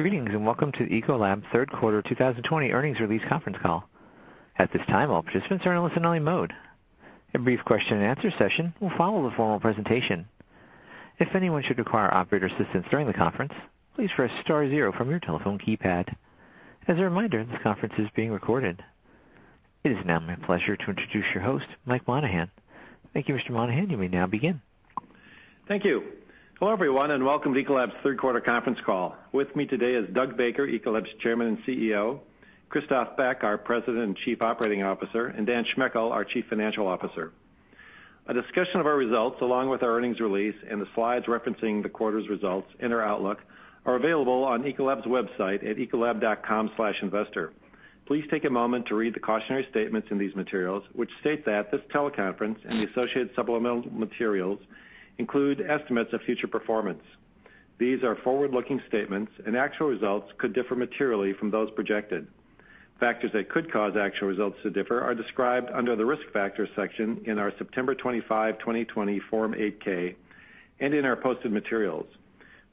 Greetings, welcome to Ecolab's third quarter 2020 earnings release conference call. At this time, all participants are in listen-only mode. A brief question and answer session will follow the formal presentation. If anyone should require operator assistance during the conference, please press star zero from your telephone keypad. As a reminder, this conference is being recorded. It is now my pleasure to introduce your host, Mike Monahan. Thank you, Mr. Monahan. You may now begin. Thank you. Hello, everyone, and welcome to Ecolab's third quarter conference call. With me today is Doug Baker, Ecolab's Chairman and CEO, Christophe Beck, our President and Chief Operating Officer, and Dan Schmechel, our Chief Financial Officer. A discussion of our results, along with our earnings release and the slides referencing the quarter's results and our outlook, are available on ecolab.com/investor. Please take a moment to read the cautionary statements in these materials, which state that this teleconference and the associated supplemental materials include estimates of future performance. These are forward-looking statements, and actual results could differ materially from those projected. Factors that could cause actual results to differ are described under the Risk Factors section in our September 25, 2020, Form 8-K and in our posted materials.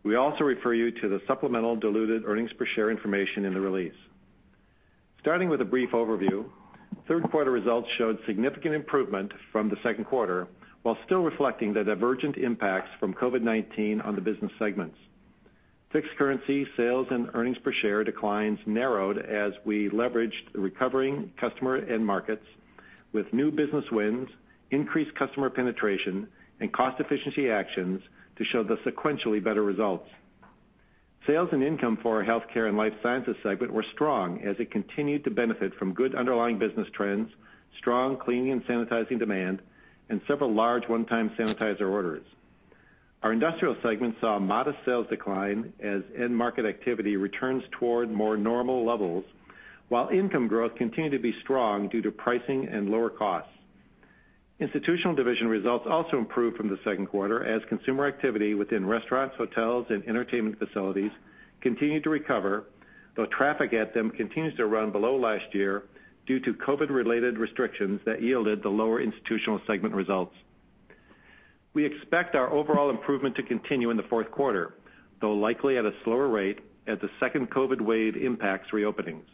We also refer you to the supplemental diluted earnings per share information in the release. Starting with a brief overview, third quarter results showed significant improvement from the second quarter, while still reflecting the divergent impacts from COVID-19 on the business segments. Fixed currency, sales, and earnings per share declines narrowed as we leveraged recovering customer end markets with new business wins, increased customer penetration, and cost efficiency actions to show the sequentially better results. Sales and income for our Healthcare and Life Sciences segment were strong, as it continued to benefit from good underlying business trends, strong cleaning and sanitizing demand, and several large one-time sanitizer orders. Our Industrial segment saw a modest sales decline as end market activity returns toward more normal levels, while income growth continued to be strong due to pricing and lower costs. Institutional division results also improved from the second quarter as consumer activity within restaurants, hotels, and entertainment facilities continued to recover, though traffic at them continues to run below last year due to COVID-related restrictions that yielded the lower institutional segment results. We expect our overall improvement to continue in the fourth quarter, though likely at a slower rate as the second COVID wave impacts reopenings.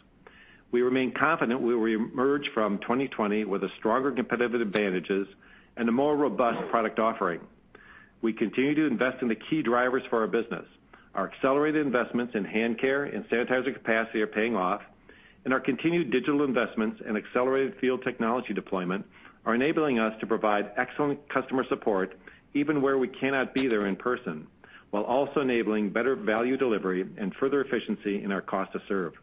We remain confident we will emerge from 2020 with stronger competitive advantages and a more robust product offering. We continue to invest in the key drivers for our business. Our accelerated investments in hand care and sanitizer capacity are paying off, and our continued digital investments and accelerated field technology deployment are enabling us to provide excellent customer support even where we cannot be there in person, while also enabling better value delivery and further efficiency in our cost to serve.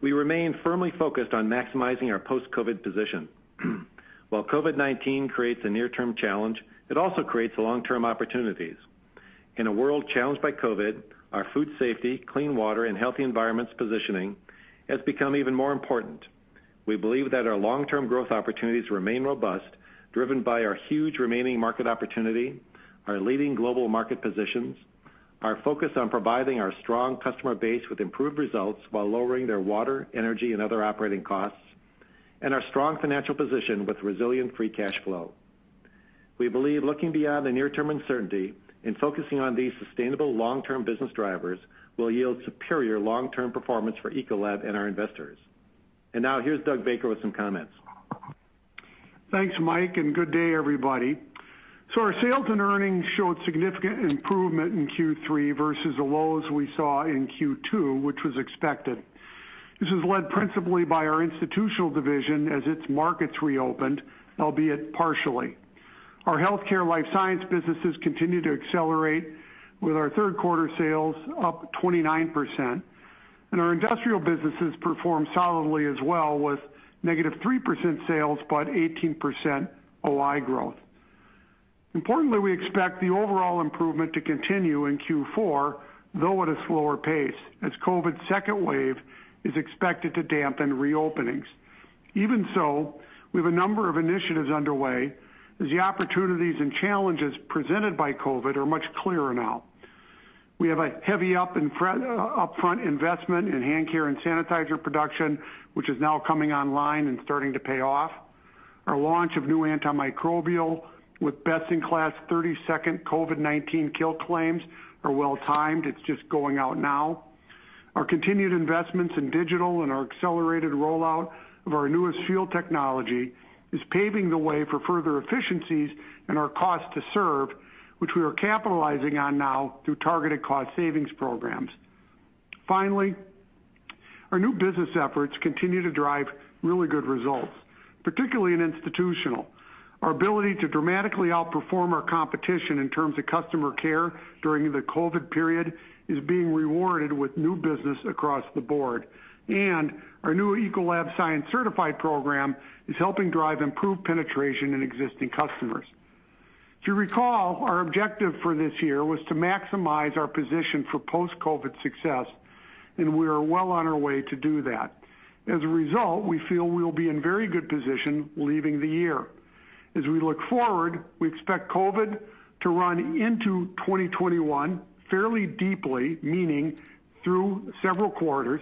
We remain firmly focused on maximizing our post-COVID position. While COVID-19 creates a near-term challenge, it also creates long-term opportunities. In a world challenged by COVID, our food safety, clean water, and healthy environments positioning has become even more important. We believe that our long-term growth opportunities remain robust, driven by our huge remaining market opportunity, our leading global market positions, our focus on providing our strong customer base with improved results while lowering their water, energy, and other operating costs, and our strong financial position with resilient free cash flow. We believe looking beyond the near-term uncertainty and focusing on these sustainable long-term business drivers will yield superior long-term performance for Ecolab and our investors. Now, here's Doug Baker with some comments. Thanks, Mike. Good day, everybody. Our sales and earnings showed significant improvement in Q3 versus the lows we saw in Q2, which was expected. This is led principally by our institutional division as its markets reopened, albeit partially. Our Healthcare Life Science businesses continue to accelerate, with our third quarter sales up 29%, and our industrial businesses performed solidly as well, with -3% sales but 18% OI growth. Importantly, we expect the overall improvement to continue in Q4, though at a slower pace, as COVID's second wave is expected to dampen reopenings. Even so, we have a number of initiatives underway as the opportunities and challenges presented by COVID are much clearer now. We have a heavy upfront investment in hand care and sanitizer production, which is now coming online and starting to pay off. Our launch of new antimicrobial with best-in-class 30-second COVID-19 kill claims are well-timed. It's just going out now. Our continued investments in digital and our accelerated rollout of our newest field technology is paving the way for further efficiencies in our cost to serve, which we are capitalizing on now through targeted cost savings programs. Finally, our new business efforts continue to drive really good results, particularly in institutional. Our ability to dramatically outperform our competition in terms of customer care during the COVID period is being rewarded with new business across the board, and our new Ecolab Science Certified program is helping drive improved penetration in existing customers. If you recall, our objective for this year was to maximize our position for post-COVID success, and we are well on our way to do that. As a result, we feel we will be in very good position leaving the year. As we look forward, we expect COVID to run into 2021 fairly deeply, through several quarters.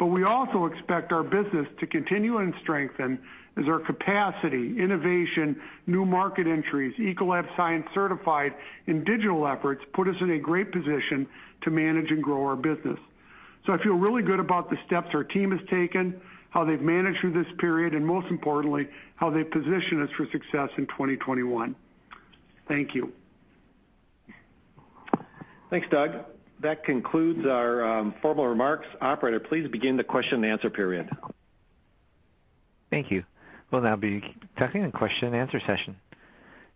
We also expect our business to continue and strengthen as our capacity, innovation, new market entries, Ecolab Science Certified, and digital efforts put us in a great position to manage and grow our business. I feel really good about the steps our team has taken, how they've managed through this period, and most importantly, how they position us for success in 2021. Thank you. Thanks, Doug. That concludes our formal remarks. Operator, please begin the question and answer period. Thank you. We will now be starting question and answer session.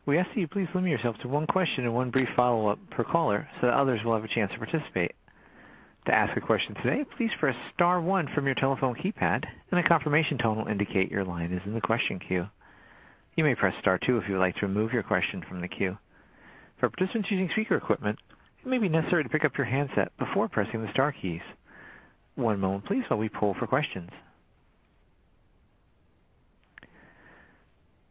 We ask you please limit yourself to one question and one brief follow-up per caller so others will have a chance to participate. To ask a question today, please press star one from your telephone keypad and a confirmation tone will indicate your line is in the question queue. You may press star two if you like to remove your question from the queue. For participants using speaker equipment, it may be necessary to pickup your handset before pressing the star keys. One moment please while we poll for questions.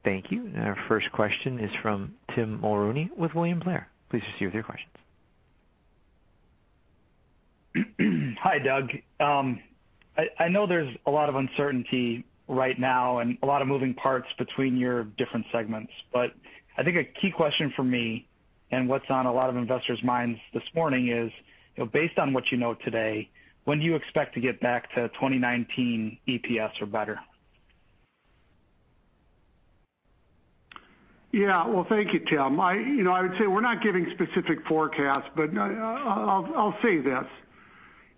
Thank you. Our first question is from Tim Mulrooney with William Blair. Please proceed with your questions. Hi, Doug. I know there's a lot of uncertainty right now and a lot of moving parts between your different segments. I think a key question for me and what's on a lot of investors minds this morning is, based on what you know today, when do you expect to get back to 2019 EPS or better? Yeah. Well, thank you, Tim. I would say we're not giving specific forecasts, I'll say this.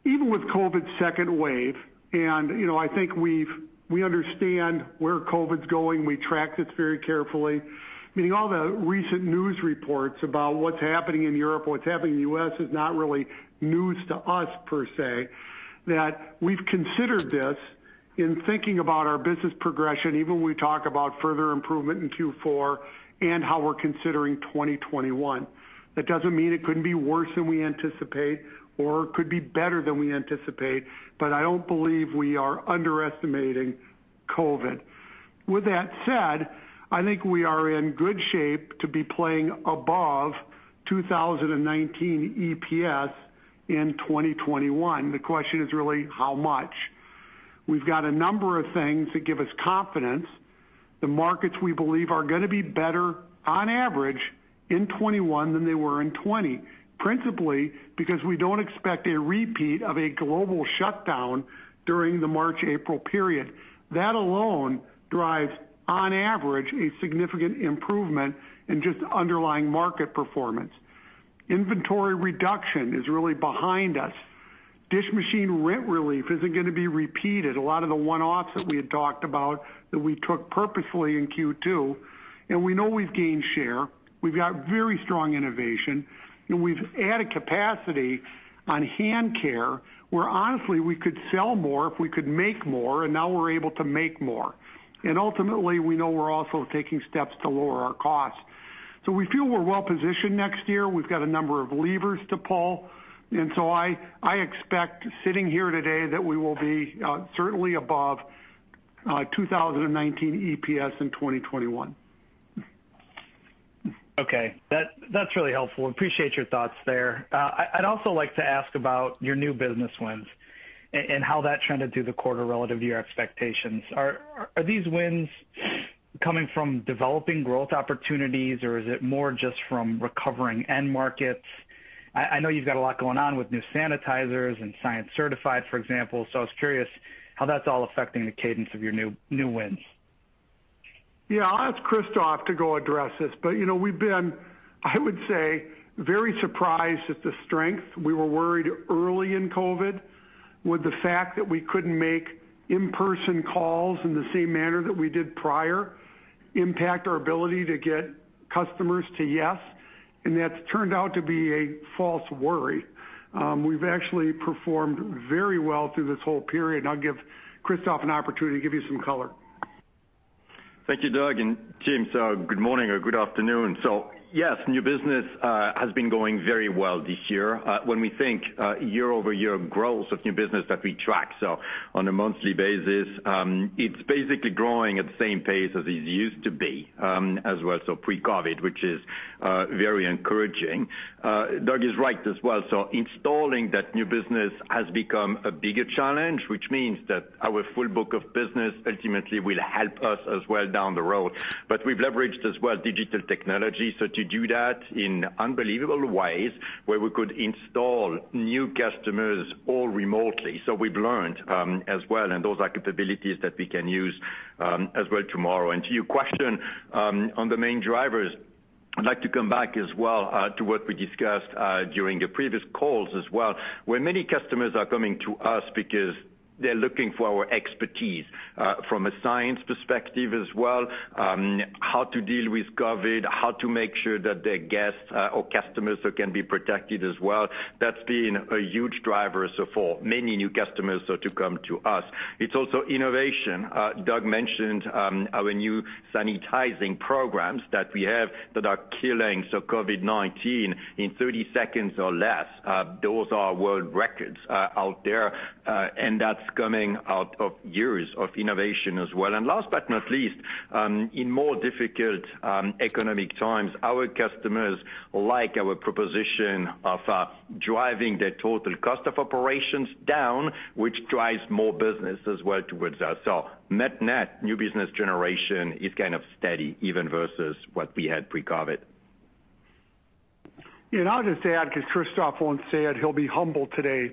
Even with COVID's second wave, I think we understand where COVID's going. We tracked it very carefully, meaning all the recent news reports about what's happening in Europe, what's happening in the U.S. is not really news to us, per se, that we've considered this in thinking about our business progression, even when we talk about further improvement in Q4 and how we're considering 2021. That doesn't mean it couldn't be worse than we anticipate or could be better than we anticipate, I don't believe we are underestimating COVID. With that said, I think we are in good shape to be playing above 2019 EPS in 2021. The question is really how much. We've got a number of things that give us confidence. The markets we believe are going to be better on average in 2021 than they were in 2020, principally because we don't expect a repeat of a global shutdown during the March, April period. That alone drives, on average, a significant improvement in just underlying market performance. Inventory reduction is really behind us. Dish machine rent relief isn't going to be repeated. A lot of the one-offs that we had talked about that we took purposefully in Q2, and we know we've gained share. We've got very strong innovation, and we've added capacity on hand care, where honestly, we could sell more if we could make more, and now we're able to make more. Ultimately, we know we're also taking steps to lower our costs. We feel we're well positioned next year. We've got a number of levers to pull. I expect sitting here today that we will be certainly above 2019 EPS in 2021. Okay. That's really helpful. Appreciate your thoughts there. I'd also like to ask about your new business wins and how that trended through the quarter relative to your expectations. Are these wins coming from developing growth opportunities, or is it more just from recovering end markets? I know you've got a lot going on with new sanitizers and Science Certified, for example. I was curious how that's all affecting the cadence of your new wins. Yeah. I'll ask Christophe to go address this. We've been, I would say, very surprised at the strength. We were worried early in COVID with the fact that we couldn't make in-person calls in the same manner that we did prior impact our ability to get customers to yes, and that's turned out to be a false worry. We've actually performed very well through this whole period, and I'll give Christophe an opportunity to give you some color. Thank you, Doug. Tim, good morning or good afternoon. Yes, new business has been going very well this year. When we think year-over-year growth of new business that we track, on a monthly basis, it's basically growing at the same pace as it used to be as well, pre-COVID, which is very encouraging. Doug is right as well. Installing that new business has become a bigger challenge, which means that our full book of business ultimately will help us as well down the road. We've leveraged as well digital technology, to do that in unbelievable ways where we could install new customers all remotely. We've learned as well, and those are capabilities that we can use as well tomorrow. To your question on the main drivers, I'd like to come back as well to what we discussed during the previous calls as well, where many customers are coming to us because they're looking for our expertise from a science perspective as well, how to deal with COVID, how to make sure that their guests or customers can be protected as well. That's been a huge driver so far. Many new customers so to come to us. It's also innovation. Doug mentioned our new sanitizing programs that we have that are killing so COVID-19 in 30 seconds or less. Those are world records out there, and that's coming out of years of innovation as well. Last but not least, in more difficult economic times, our customers like our proposition of driving their total cost of operations down, which drives more business as well towards us. Net new business generation is kind of steady, even versus what we had pre-COVID. I'll just add, because Christophe won't say it, he'll be humble today,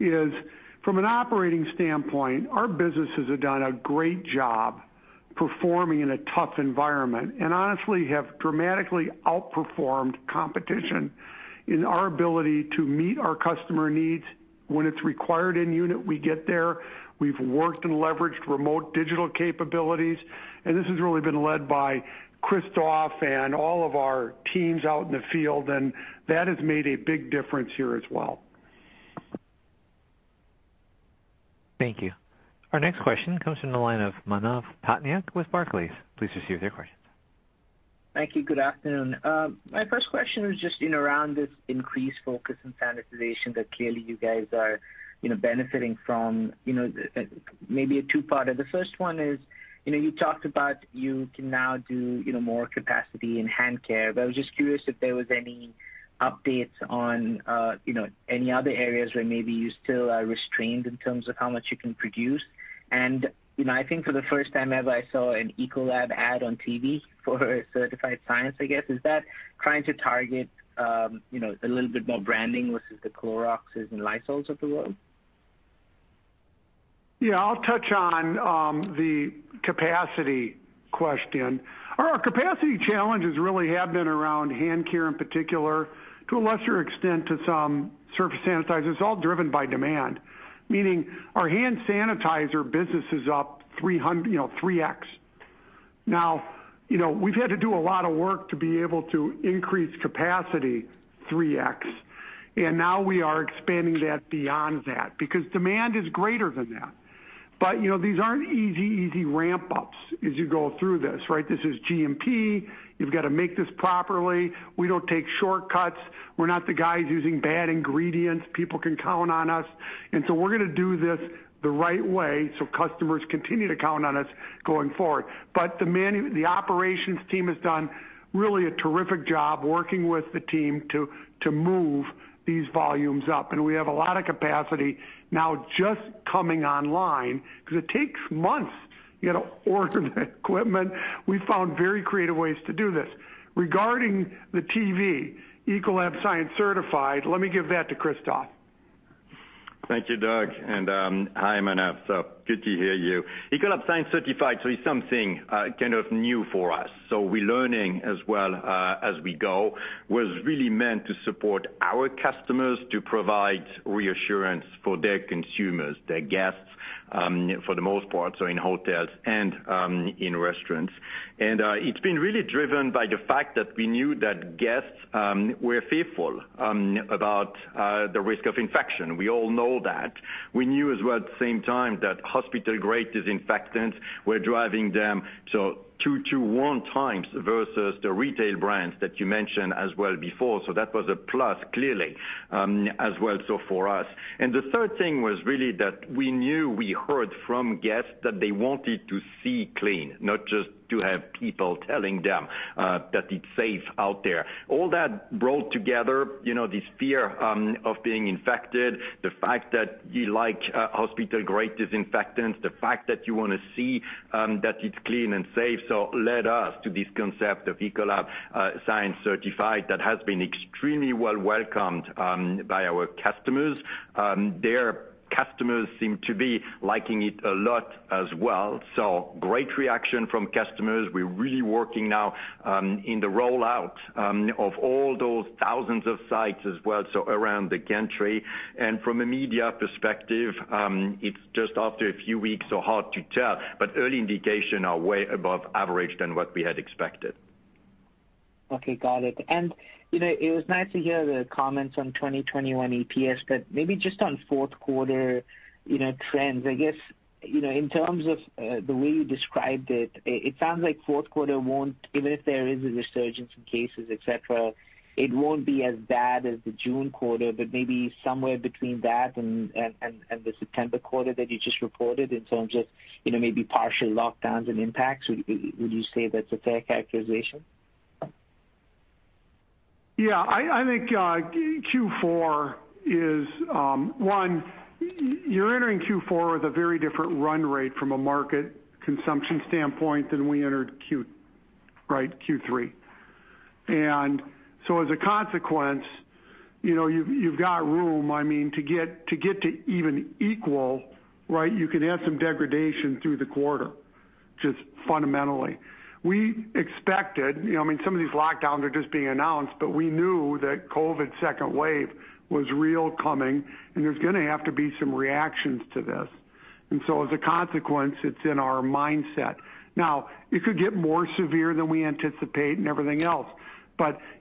is from an operating standpoint, our businesses have done a great job performing in a tough environment and honestly have dramatically outperformed competition in our ability to meet our customer needs. When it's required in unit, we get there. We've worked and leveraged remote digital capabilities, and this has really been led by Christophe and all of our teams out in the field, and that has made a big difference here as well. Thank you. Our next question comes from the line of Manav Tandon with Barclays. Please proceed with your question. Thank you. Good afternoon. My first question was just around this increased focus on sanitization that clearly you guys are benefiting from, maybe a two-parter. The first one is, you talked about you can now do more capacity in hand care, but I was just curious if there was any updates on any other areas where maybe you still are restrained in terms of how much you can produce. I think for the first time ever, I saw an Ecolab ad on TV for Ecolab Science Certified, I guess. Is that trying to target a little bit more branding versus the Cloroxes and Lysols of the world? Yeah, I'll touch on the capacity question. Our capacity challenges really have been around hand care in particular, to a lesser extent, to some surface sanitizers. It's all driven by demand, meaning our hand sanitizer business is up 3x. We've had to do a lot of work to be able to increase capacity 3x, and now we are expanding that beyond that, because demand is greater than that. These aren't easy ramp-ups as you go through this, right. This is GMP. You've got to make this properly. We don't take shortcuts. We're not the guys using bad ingredients. People can count on us, and so we're going to do this the right way, so customers continue to count on us going forward. The operations team has done really a terrific job working with the team to move these volumes up. We have a lot of capacity now just coming online, because it takes months. You got to order the equipment. We found very creative ways to do this. Regarding the TV, Ecolab Science Certified, let me give that to Christophe. Thank you, Doug, and hi, Manav. So good to hear you. Ecolab Science Certified is something kind of new for us, so we're learning as well as we go. Was really meant to support our customers to provide reassurance for their consumers, their guests, for the most part, so in hotels and in restaurants. It's been really driven by the fact that we knew that guests were fearful about the risk of infection. We all know that. We knew as well at the same time that hospital-grade disinfectants were driving them 2:1 times versus the retail brands that you mentioned as well before. That was a plus, clearly, as well so for us. The third thing was really that we knew we heard from guests that they wanted to see clean, not just to have people telling them that it's safe out there. All that brought together this fear of being infected, the fact that you like hospital-grade disinfectants, the fact that you want to see that it's clean and safe, led us to this concept of Ecolab Science Certified that has been extremely well welcomed by our customers. Their customers seem to be liking it a lot as well. Great reaction from customers. We're really working now in the rollout of all those thousands of sites as well, around the country. From a media perspective, it's just after a few weeks, so hard to tell, but early indication are way above average than what we had expected. Okay, got it. It was nice to hear the comments on 2021 EPS, maybe just on fourth quarter trends, I guess, in terms of the way you described it sounds like fourth quarter won't, even if there is a resurgence in cases, et cetera, it won't be as bad as the June quarter, but maybe somewhere between that and the September quarter that you just reported in terms of maybe partial lockdowns and impacts. Would you say that's a fair characterization? Yeah, I think Q4 is, one, you're entering Q4 with a very different run rate from a market consumption standpoint than we entered Q3. As a consequence, you've got room, to get to even equal you can have some degradation through the quarter, just fundamentally. We expected, some of these lockdowns are just being announced, but we knew that COVID's second wave was real coming, and there's gonna have to be some reactions to this. As a consequence, it's in our mindset. Now, it could get more severe than we anticipate and everything else.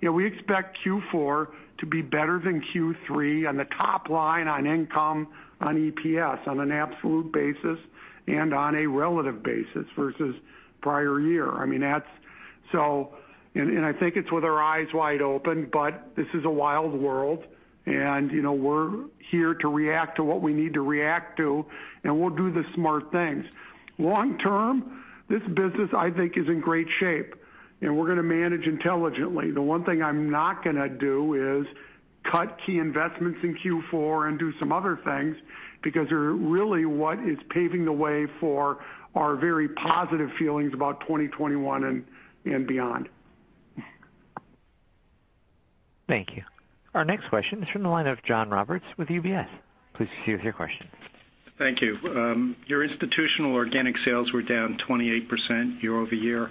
We expect Q4 to be better than Q3 on the top line on income, on EPS, on an absolute basis and on a relative basis versus prior year. I think it's with our eyes wide open, but this is a wild world and we're here to react to what we need to react to, and we'll do the smart things. Long term, this business, I think, is in great shape, and we're gonna manage intelligently. The one thing I'm not gonna do is cut key investments in Q4 and do some other things, because they're really what is paving the way for our very positive feelings about 2021 and beyond. Thank you. Our next question is from the line of John Roberts with UBS. Please proceed with your question. Thank you. Your institutional organic sales were down 28% year-over-year.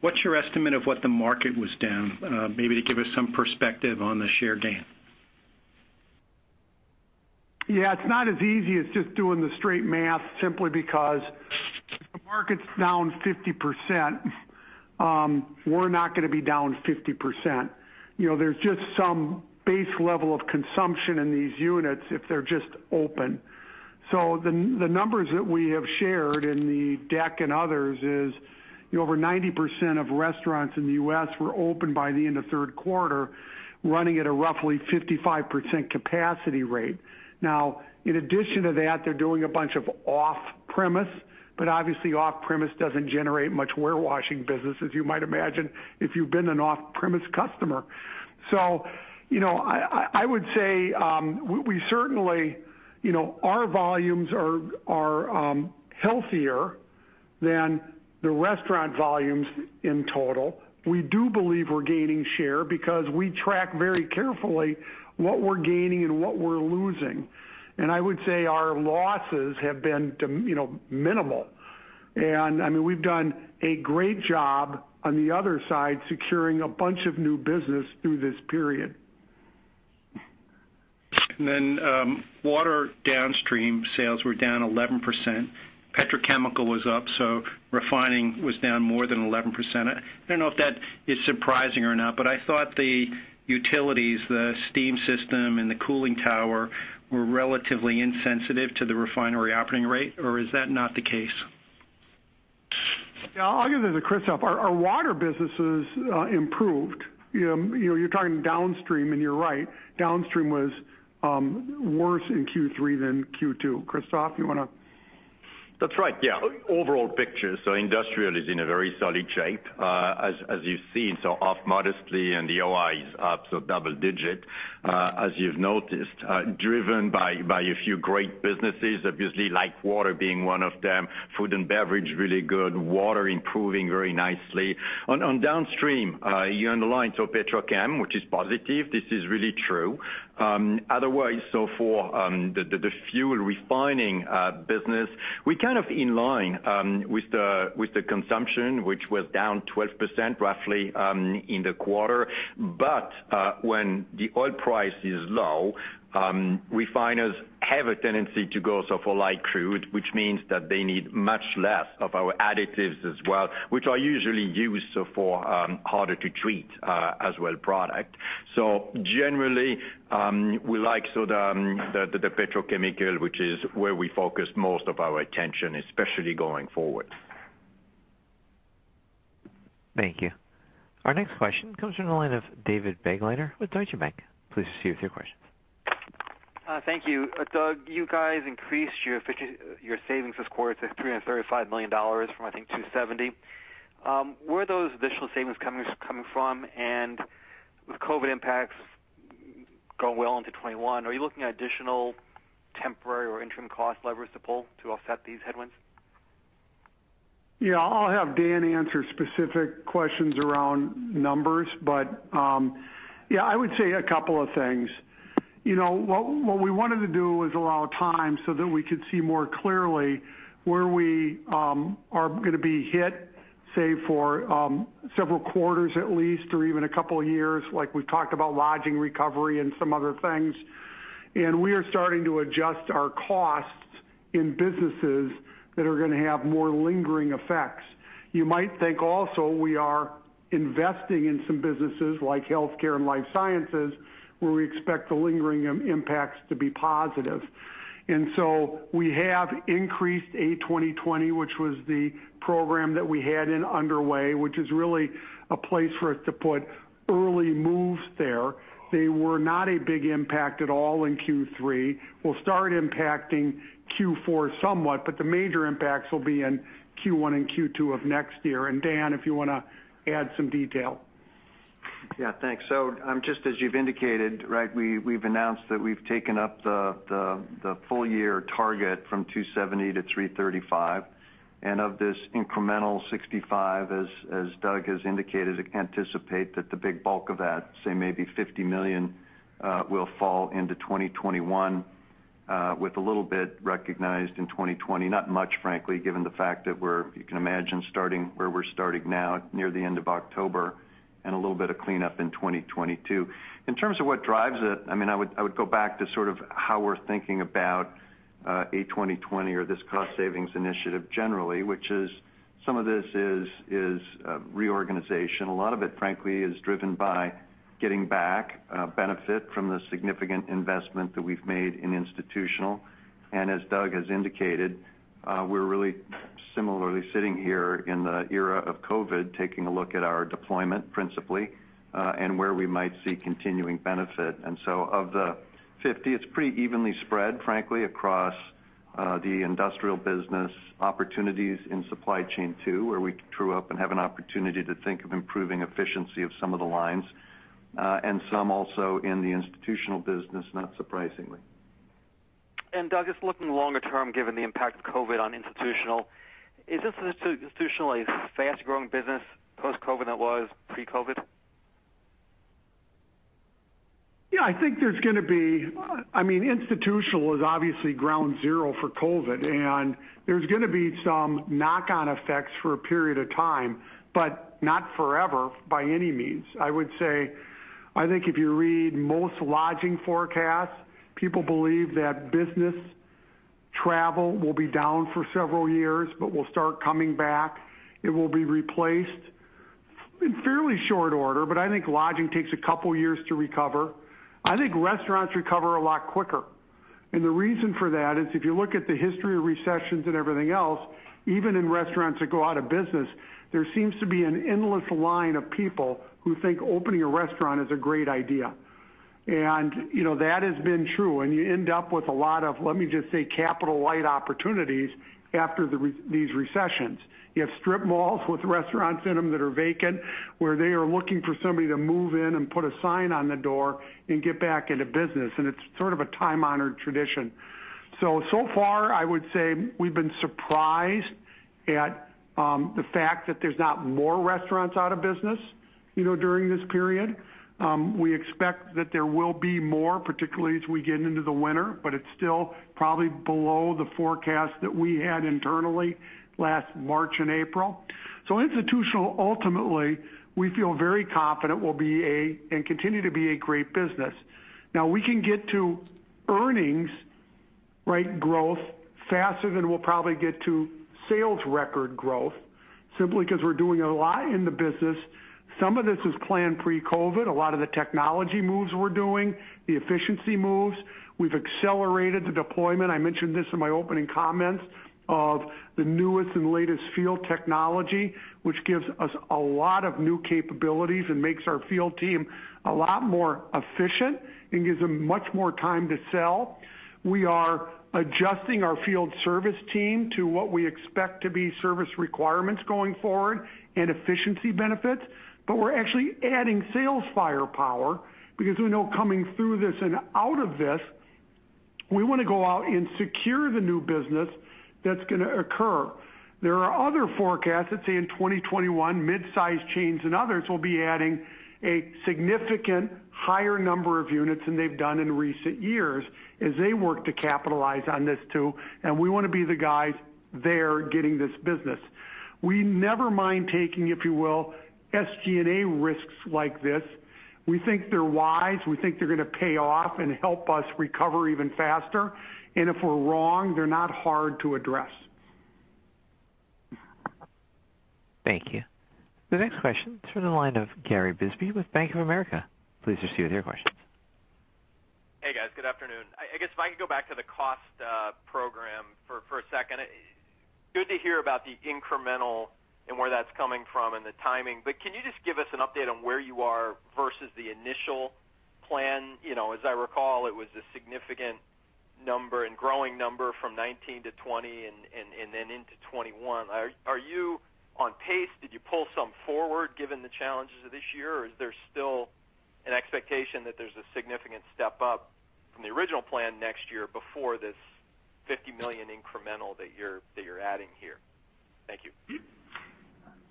What's your estimate of what the market was down? Maybe to give us some perspective on the share gain. Yeah, it's not as easy as just doing the straight math, simply because if the market's down 50%, we're not going to be down 50%. There's just some base level of consumption in these units if they're just open. The numbers that we have shared in the deck and others is over 90% of restaurants in the U.S. were open by the end of third quarter, running at a roughly 55% capacity rate. Now, in addition to that, they're doing a bunch of off-premise, but obviously off-premise doesn't generate much warewashing business, as you might imagine, if you've been an off-premise customer. I would say our volumes are healthier than the restaurant volumes in total. We do believe we're gaining share because we track very carefully what we're gaining and what we're losing. I would say our losses have been minimal. We've done a great job on the other side, securing a bunch of new business through this period. Water downstream sales were down 11%. Petrochemical was up, so refining was down more than 11%. I don't know if that is surprising or not, but I thought the utilities, the steam system and the cooling tower, were relatively insensitive to the refinery operating rate, or is that not the case? Yeah. I'll give it to Christophe. Our Water business has improved. You're talking downstream, and you're right. Downstream was worse in Q3 than Q2. Christophe, you want to? That's right. Yeah. Overall picture, Industrial is in a very solid shape, as you've seen, up modestly, and the OI is up to double-digit, as you've noticed, driven by a few great businesses, obviously like Water being one of them, food and beverage, really good. Water improving very nicely. On downstream, you're on the line, Petrochem, which is positive, this is really true. Otherwise, for the fuel refining business, we're kind of in line with the consumption, which was down 12% roughly in the quarter. When the oil price is low, refiners have a tendency to go for light crude, which means that they need much less of our additives as well, which are usually used for harder to treat as well product. Generally, we like the petrochemical, which is where we focus most of our attention, especially going forward. Thank you. Our next question comes from the line of David Begleiter with Deutsche Bank. Please proceed with your questions. Thank you. Doug, you guys increased your savings this quarter to $335 million from I think $270 million. Where are those additional savings coming from? With COVID impacts going well into 2021, are you looking at additional temporary or interim cost levers to pull to offset these headwinds? Yeah, I'll have Dan answer specific questions around numbers. Yeah, I would say a couple of things. What we wanted to do was allow time so that we could see more clearly where we are going to be hit, say, for several quarters at least, or even a couple of years, like we've talked about lodging recovery and some other things. We are starting to adjust our costs in businesses that are going to have more lingering effects. You might think also we are investing in some businesses like healthcare and life sciences, where we expect the lingering impacts to be positive. We have increased A2020, which was the program that we had in underway, which is really a place for us to put early moves there. They were not a big impact at all in Q3, will start impacting Q4 somewhat, but the major impacts will be in Q1 and Q2 of next year. Dan, if you want to add some detail. Yeah, thanks. Just as you've indicated, we've announced that we've taken up the full year target from $270 million to $335 million. Of this incremental $65 million, as Doug has indicated, anticipate that the big bulk of that, say maybe $50 million, will fall into 2021, with a little bit recognized in 2020. Not much, frankly, given the fact that you can imagine starting where we're starting now, near the end of October, and a little bit of cleanup in 2022. In terms of what drives it, I would go back to sort of how we're thinking about 2020 or this cost savings initiative generally. Which is some of this is reorganization. A lot of it, frankly, is driven by getting back benefit from the significant investment that we've made in Institutional. As Doug has indicated, we're really similarly sitting here in the era of COVID, taking a look at our deployment, principally, and where we might see continuing benefit. Of the $50 million, it's pretty evenly spread, frankly, across. The industrial business opportunities in supply chain too, where we true up and have an opportunity to think of improving efficiency of some of the lines, and some also in the institutional business, not surprisingly. Doug, just looking longer term, given the impact of COVID on institutional, is this institutionally a fast-growing business post-COVID that was pre-COVID? Yeah, Institutional is obviously ground zero for COVID, and there's going to be some knock-on effects for a period of time, but not forever by any means. I would say, I think if you read most lodging forecasts, people believe that business travel will be down for several years but will start coming back. It will be replaced in fairly short order, but I think lodging takes a couple of years to recover. I think restaurants recover a lot quicker. The reason for that is if you look at the history of recessions and everything else, even in restaurants that go out of business, there seems to be an endless line of people who think opening a restaurant is a great idea. That has been true, and you end up with a lot of, let me just say, capital light opportunities after these recessions. You have strip malls with restaurants in them that are vacant, where they are looking for somebody to move in and put a sign on the door and get back into business, and it's sort of a time-honored tradition. So far, I would say we've been surprised at the fact that there's not more restaurants out of business during this period. We expect that there will be more, particularly as we get into the winter, but it's still probably below the forecast that we had internally last March and April. Institutional, ultimately, we feel very confident will be and continue to be a great business. We can get to earnings growth faster than we'll probably get to sales record growth, simply because we're doing a lot in the business. Some of this was planned pre-COVID, a lot of the technology moves we're doing, the efficiency moves. We've accelerated the deployment, I mentioned this in my opening comments, of the newest and latest field technology, which gives us a lot of new capabilities and makes our field team a lot more efficient and gives them much more time to sell. We are adjusting our field service team to what we expect to be service requirements going forward and efficiency benefits. We're actually adding sales firepower because we know coming through this and out of this, we want to go out and secure the new business that's going to occur. There are other forecasts that say in 2021, mid-size chains and others will be adding a significantly higher number of units than they've done in recent years as they work to capitalize on this too. We want to be the guys there getting this business. We never mind taking, if you will, SG&A risks like this. We think they're wise. We think they're going to pay off and help us recover even faster. If we're wrong, they're not hard to address. Thank you. The next question is from the line of Gary Bisbee with Bank of America. Please proceed with your question. Hey, guys. Good afternoon. I guess if I could go back to the cost program for a second. Good to hear about the incremental and where that's coming from and the timing, but can you just give us an update on where you are versus the initial plan? As I recall, it was a significant number and growing number from 2019 to 2020 and then into 2021. Are you on pace? Did you pull some forward given the challenges of this year? Is there still an expectation that there's a significant step up from the original plan next year before this $50 million incremental that you're adding here? Thank you.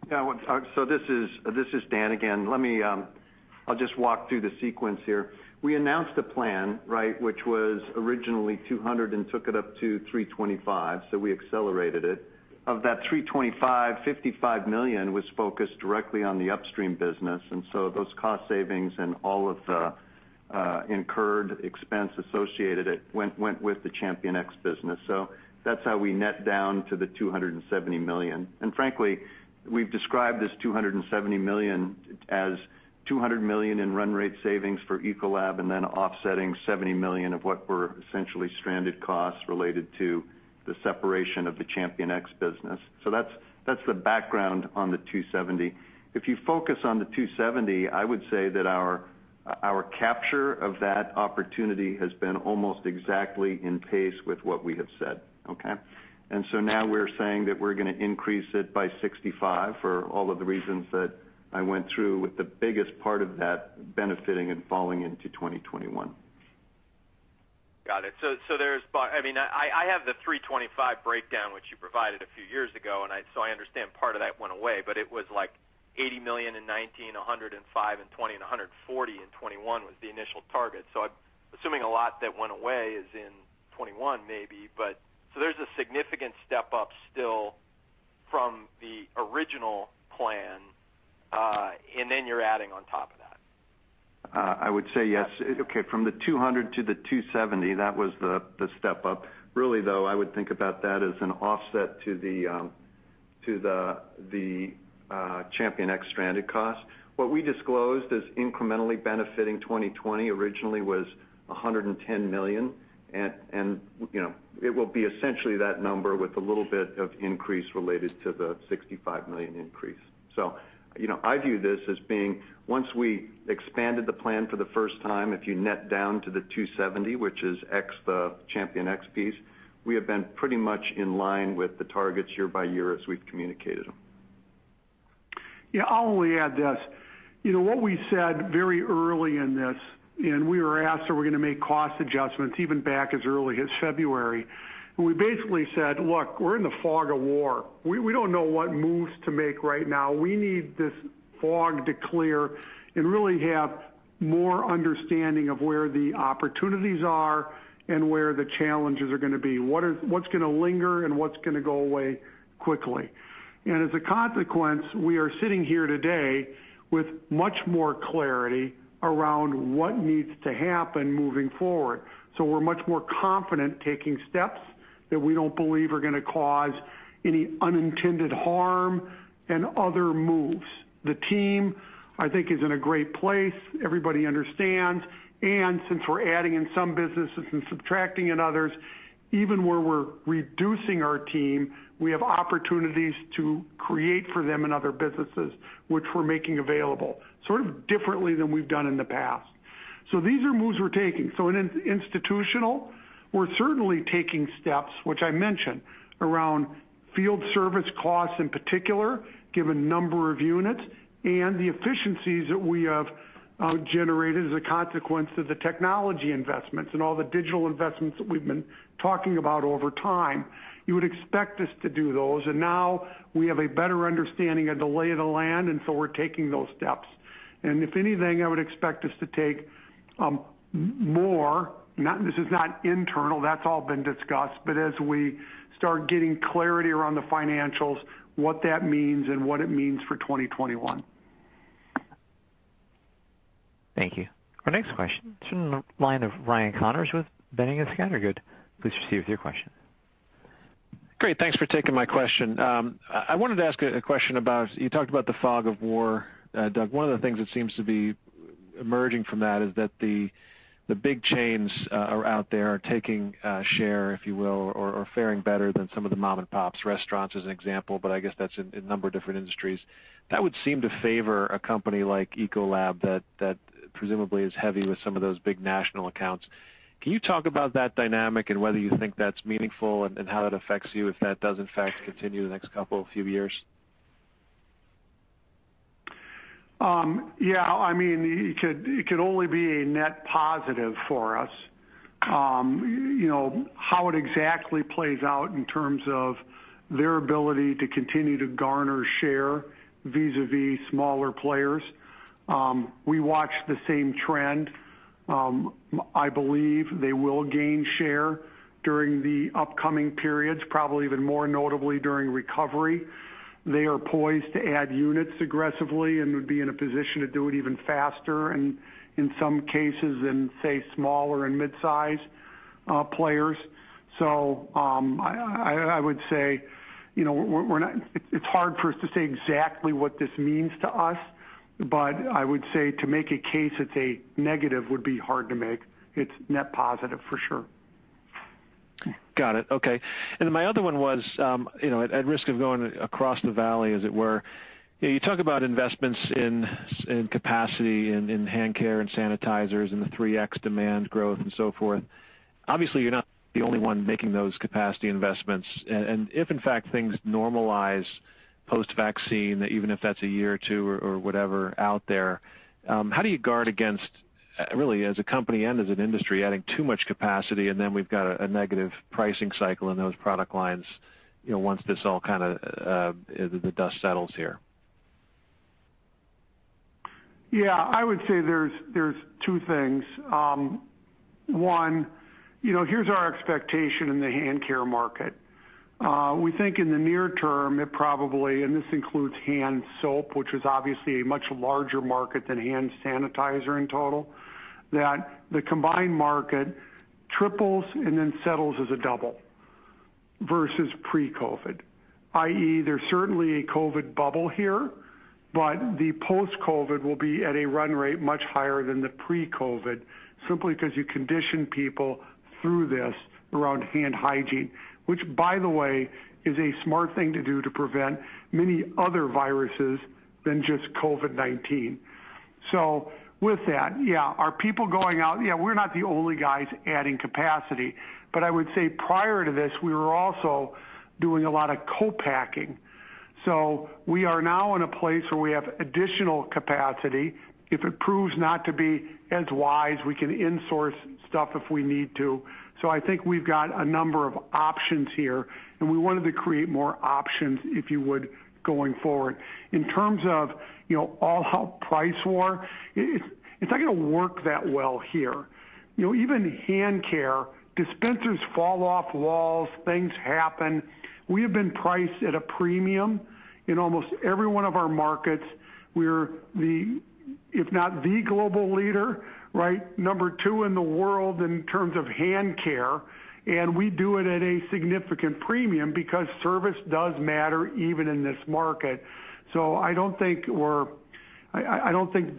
This is Dan again. I'll just walk through the sequence here. We announced a plan which was originally $200 million and took it up to $325 million, we accelerated it. Of that $325 million, $55 million was focused directly on the upstream business, those cost savings and all of the incurred expense associated went with the ChampionX business. That's how we net down to the $270 million. Frankly, we've described this $270 million as $200 million in run rate savings for Ecolab offsetting $70 million of what were essentially stranded costs related to the separation of the ChampionX business. That's the background on the $270 million. If you focus on the $270 million, I would say that our capture of that opportunity has been almost exactly in pace with what we have said. Okay. Now we're saying that we're going to increase it by $65 million for all of the reasons that I went through with the biggest part of that benefiting and falling into 2021. Got it. I have the $325 million breakdown, which you provided a few years ago. I understand part of that went away, but it was like $80 million in 2019, $105 million in 2020, and $140 million in 2021 was the initial target. I'm assuming a lot that went away is in 2021 maybe. There's a significant step up still from the original plan, and then you're adding on top of that. I would say yes. Okay, from the $200 million to the $270 million, that was the step up. Really, though, I would think about that as an offset to the ChampionX stranded cost. What we disclosed as incrementally benefiting 2020 originally was $110 million, and it will be essentially that number with a little bit of increase related to the $65 million increase. I view this as being once we expanded the plan for the first time, if you net down to the $270 million, which is ex the ChampionX piece, we have been pretty much in line with the targets year by year as we've communicated them. Yeah. I'll only add this. What we said very early in this, we were asked are we going to make cost adjustments even back as early as February. We basically said, "Look, we're in the fog of war. We don't know what moves to make right now. We need this fog to clear and really have more understanding of where the opportunities are and where the challenges are going to be. What's going to linger and what's going to go away quickly." As a consequence, we are sitting here today with much more clarity around what needs to happen moving forward. We're much more confident taking steps that we don't believe are going to cause any unintended harm and other moves. The team, I think, is in a great place. Everybody understands, and since we're adding in some businesses and subtracting in others, even where we're reducing our team, we have opportunities to create for them in other businesses, which we're making available sort of differently than we've done in the past. These are moves we're taking. In institutional, we're certainly taking steps, which I mentioned, around field service costs in particular, given number of units and the efficiencies that we have generated as a consequence of the technology investments and all the digital investments that we've been talking about over time. You would expect us to do those. Now we have a better understanding of the lay of the land, and so we're taking those steps. If anything, I would expect us to take more. This is not internal. That's all been discussed. As we start getting clarity around the financials, what that means and what it means for 2021. Thank you. Our next question is in the line of Ryan Connors with Boenning & Scattergood. Please proceed with your question. Great. Thanks for taking my question. I wanted to ask a question about, you talked about the fog of war, Doug. One of the things that seems to be emerging from that is that the big chains are out there taking share, if you will, or fairing better than some of the mom and pops restaurants as an example, I guess that's in a number of different industries. That would seem to favor a company like Ecolab that presumably is heavy with some of those big national accounts. Can you talk about that dynamic and whether you think that's meaningful and how that affects you if that does in fact continue the next couple of few years? Yeah. It could only be a net positive for us. How it exactly plays out in terms of their ability to continue to garner share vis-a-vis smaller players. We watch the same trend. I believe they will gain share during the upcoming periods, probably even more notably during recovery. They are poised to add units aggressively and would be in a position to do it even faster and in some cases than, say, smaller and mid-size players. I would say it's hard for us to say exactly what this means to us, but I would say to make a case it's a negative would be hard to make. It's net positive for sure. Got it. Okay. My other one was, at risk of going across the valley as it were, you talk about investments in capacity in hand care and sanitizers and the 3x demand growth and so forth. Obviously you're not the only one making those capacity investments. If in fact things normalize post vaccine, even if that's a year or two or whatever out there, how do you guard against, really as a company and as an industry, adding too much capacity and then we've got a negative pricing cycle in those product lines, once this all kind of, the dust settles here? Yeah. I would say there's two things. One, here's our expectation in the hand care market. We think in the near term it probably, and this includes hand soap, which is obviously a much larger market than hand sanitizer in total, that the combined market triples and then settles as a double versus pre-COVID. i.e, there's certainly a COVID bubble here, but the post-COVID will be at a run rate much higher than the pre-COVID, simply because you condition people through this around hand hygiene. Which by the way, is a smart thing to do to prevent many other viruses than just COVID-19. With that, yeah, are people going out? Yeah, we're not the only guys adding capacity. I would say prior to this, we were also doing a lot of co-packing. We are now in a place where we have additional capacity. If it proves not to be as wise, we can in-source stuff if we need to. I think we've got a number of options here and we wanted to create more options, if you would, going forward. In terms of all-out price war, it's not going to work that well here. Even hand care, dispensers fall off walls, things happen. We have been priced at a premium in almost every one of our markets. We're, if not the global leader, number two in the world in terms of hand care, and we do it at a significant premium because service does matter even in this market. I don't think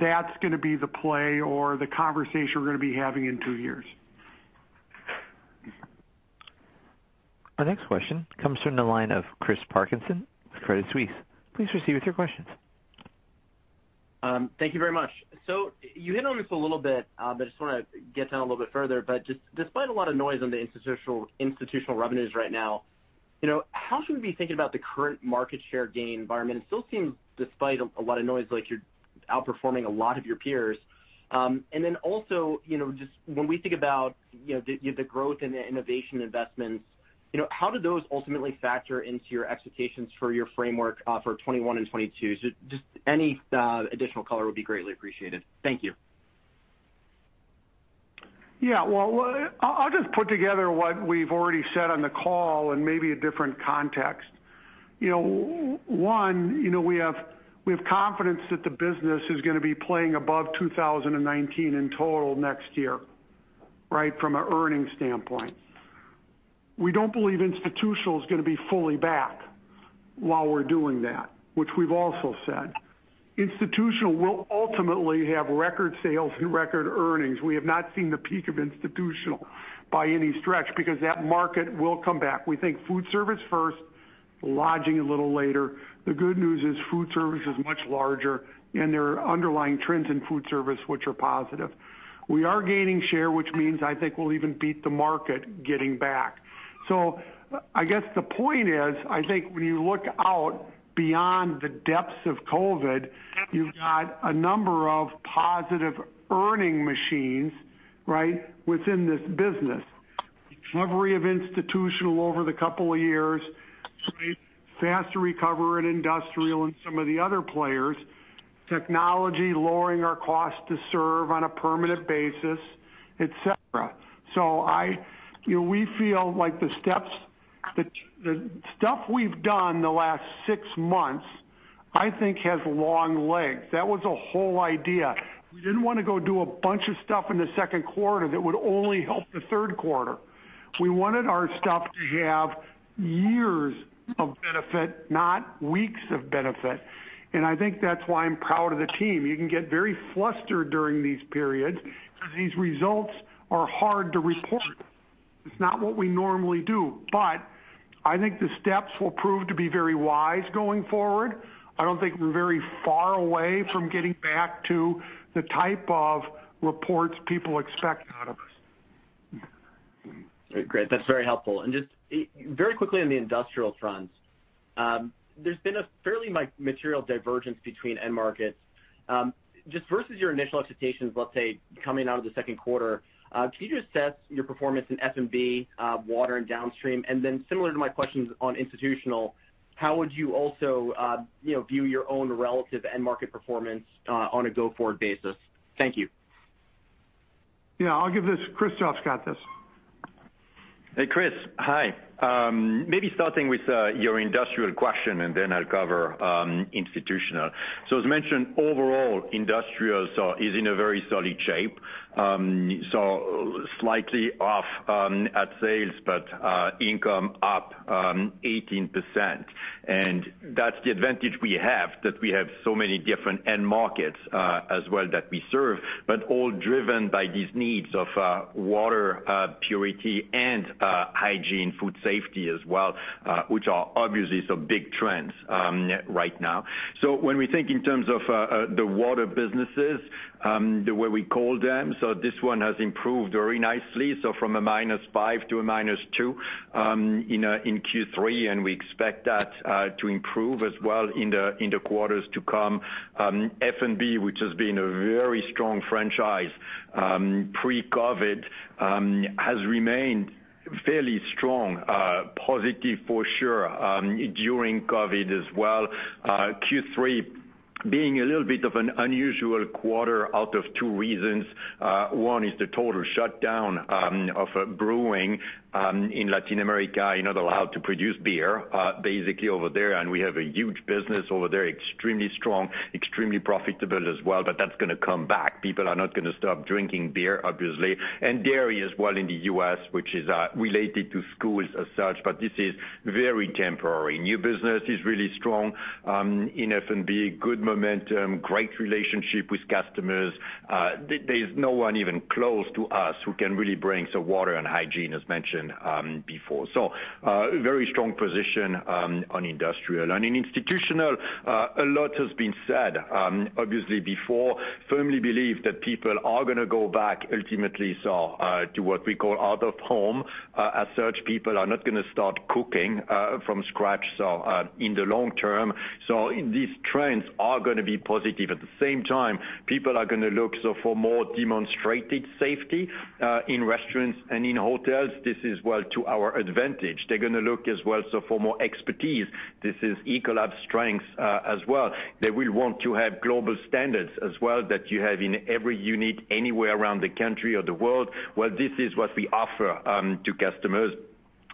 that's going to be the play or the conversation we're going to be having in two years. Our next question comes from the line of Chris Parkinson with Credit Suisse. Please proceed with your questions. Thank you very much. You hit on this a little bit. I just want to get down a little bit further. Just despite a lot of noise on the institutional revenues right now, how should we be thinking about the current market share gain environment? It still seems, despite a lot of noise, like you're outperforming a lot of your peers. Also, just when we think about the growth and the innovation investments, how do those ultimately factor into your expectations for your framework for 2021 and 2022? Just any additional color would be greatly appreciated. Thank you. Yeah. Well, I'll just put together what we've already said on the call in maybe a different context. One, we have confidence that the business is going to be playing above 2019 in total next year, right, from an earnings standpoint. We don't believe institutional is going to be fully back while we're doing that, which we've also said. institutional will ultimately have record sales and record earnings. We have not seen the peak of institutional by any stretch, because that market will come back. We think food service first, lodging a little later. The good news is food service is much larger, and there are underlying trends in food service which are positive. We are gaining share, which means I think we'll even beat the market getting back. I guess the point is, I think when you look out beyond the depths of COVID, you've got a number of positive earning machines, right, within this business. Recovery of institutional over the couple of years, right. Faster recovery in industrial and some of the other players. Technology lowering our cost to serve on a permanent basis, et cetera. We feel like the stuff we've done the last six months, I think, has long legs. That was the whole idea. We didn't want to go do a bunch of stuff in the second quarter that would only help the third quarter. We wanted our stuff to have years of benefit, not weeks of benefit. I think that's why I'm proud of the team. You can get very flustered during these periods because these results are hard to report. It's not what we normally do. I think the steps will prove to be very wise going forward. I don't think we're very far away from getting back to the type of reports people expect out of us. Great. That's very helpful. Just very quickly on the industrial front. There's been a fairly material divergence between end markets. Just versus your initial expectations, let's say, coming out of the second quarter, can you just assess your performance in F&B, water, and downstream? Similar to my questions on institutional, how would you also view your own relative end market performance on a go-forward basis? Thank you. Yeah, I'll give this. Christophe's got this. Hey, Chris. Hi. Starting with your industrial question and then I'll cover institutional. As mentioned, overall, industrial is in a very solid shape. Slightly off at sales, but income up 18%. That's the advantage we have, that we have so many different end markets as well that we serve, but all driven by these needs of water purity and hygiene, food safety as well, which are obviously some big trends right now. When we think in terms of the water businesses, the way we call them, so this one has improved very nicely. From a -5% to a -2% in Q3, and we expect that to improve as well in the quarters to come. F&B, which has been a very strong franchise pre-COVID, has remained fairly strong, positive for sure, during COVID as well. Q3 being a little bit of an unusual quarter out of two reasons. One is the total shutdown of brewing in Latin America. You're not allowed to produce beer, basically, over there. We have a huge business over there, extremely strong, extremely profitable as well, but that's going to come back. People are not going to stop drinking beer, obviously. Dairy as well in the U.S., which is related to schools as such, but this is very temporary. New business is really strong in F&B, good momentum, great relationship with customers. There is no one even close to us who can really bring, so water and hygiene, as mentioned before. A very strong position on industrial. In institutional, a lot has been said, obviously, before. Firmly believe that people are going to go back ultimately, so to what we call out of home. As such, people are not going to start cooking from scratch, so in the long term. These trends are going to be positive. At the same time, people are going to look for more demonstrated safety in restaurants and in hotels. This is well to our advantage. They're going to look as well for more expertise. This is Ecolab's strength as well. They will want to have global standards as well that you have in every unit anywhere around the country or the world. Well, this is what we offer to customers.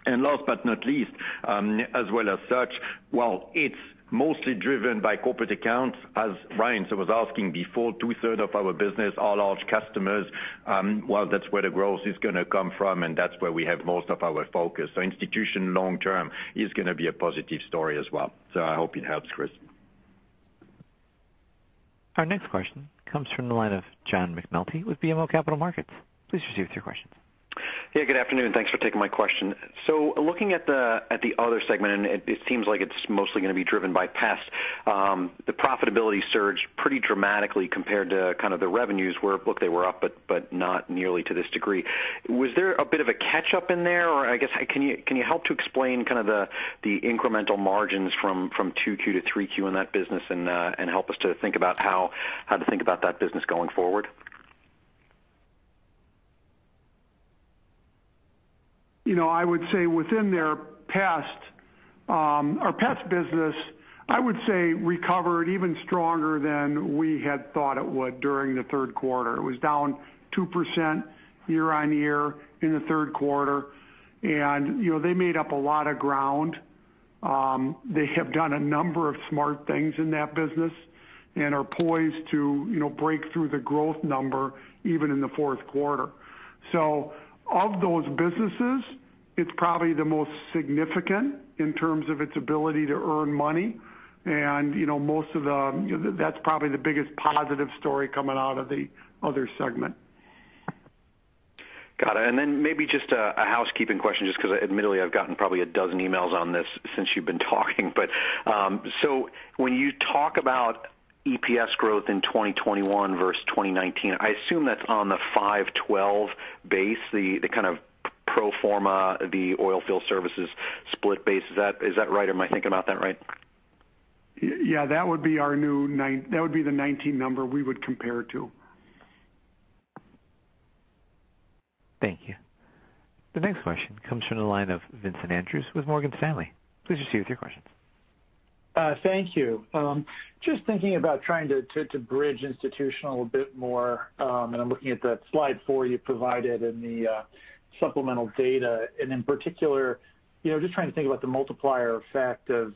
Last but not least, as well as such, while it's mostly driven by corporate accounts, as Ryan was asking before, 2/3 of our business are large customers. Well, that's where the growth is going to come from, and that's where we have most of our focus. Institution long term is going to be a positive story as well. I hope it helps, Chris. Our next question comes from the line of John McNulty with BMO Capital Markets. Please proceed with your question. Yeah, good afternoon. Thanks for taking my question. Looking at the other segment, and it seems like it's mostly going to be driven by pest. The profitability surged pretty dramatically compared to kind of the revenues where, look, they were up but not nearly to this degree. Was there a bit of a catch-up in there? I guess, can you help to explain kind of the incremental margins from 2Q to 3Q in that business and help us to think about how to think about that business going forward? I would say within their pest business, I would say recovered even stronger than we had thought it would during the third quarter. It was down 2% year-on-year in the third quarter. They made up a lot of ground. They have done a number of smart things in that business and are poised to break through the growth number even in the fourth quarter. Of those businesses, it's probably the most significant in terms of its ability to earn money. That's probably the biggest positive story coming out of the other segment. Got it. Maybe just a housekeeping question, just because admittedly, I've gotten probably a dozen emails on this since you've been talking. When you talk about EPS growth in 2021 versus 2019, I assume that's on the $5.12 base, the kind of pro forma, the oil field services split base. Is that right? Am I thinking about that right? Yeah, that would be the 2019 number we would compare to. Thank you. The next question comes from the line of Vincent Andrews with Morgan Stanley. Please proceed with your questions. Thank you. Just thinking about trying to bridge institutional a bit more, I'm looking at the slide four you provided in the supplemental data. In particular, just trying to think about the multiplier effect of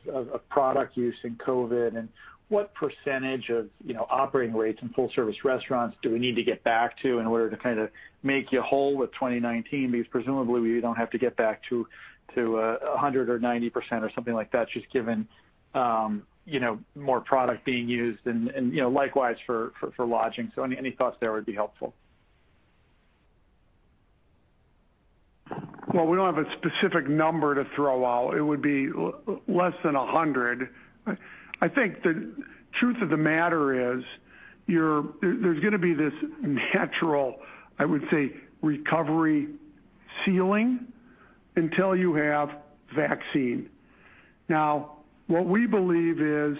product use in COVID and what percentage of operating rates in full service restaurants do we need to get back to in order to kind of make you whole with 2019? Because presumably we don't have to get back to 100% or 90% or something like that, just given more product being used and likewise for lodging. Any thoughts there would be helpful. Well, we don't have a specific number to throw out. It would be less than 100%. I think the truth of the matter is, there's going to be this natural, I would say, recovery ceiling until you have vaccine. Now, what we believe is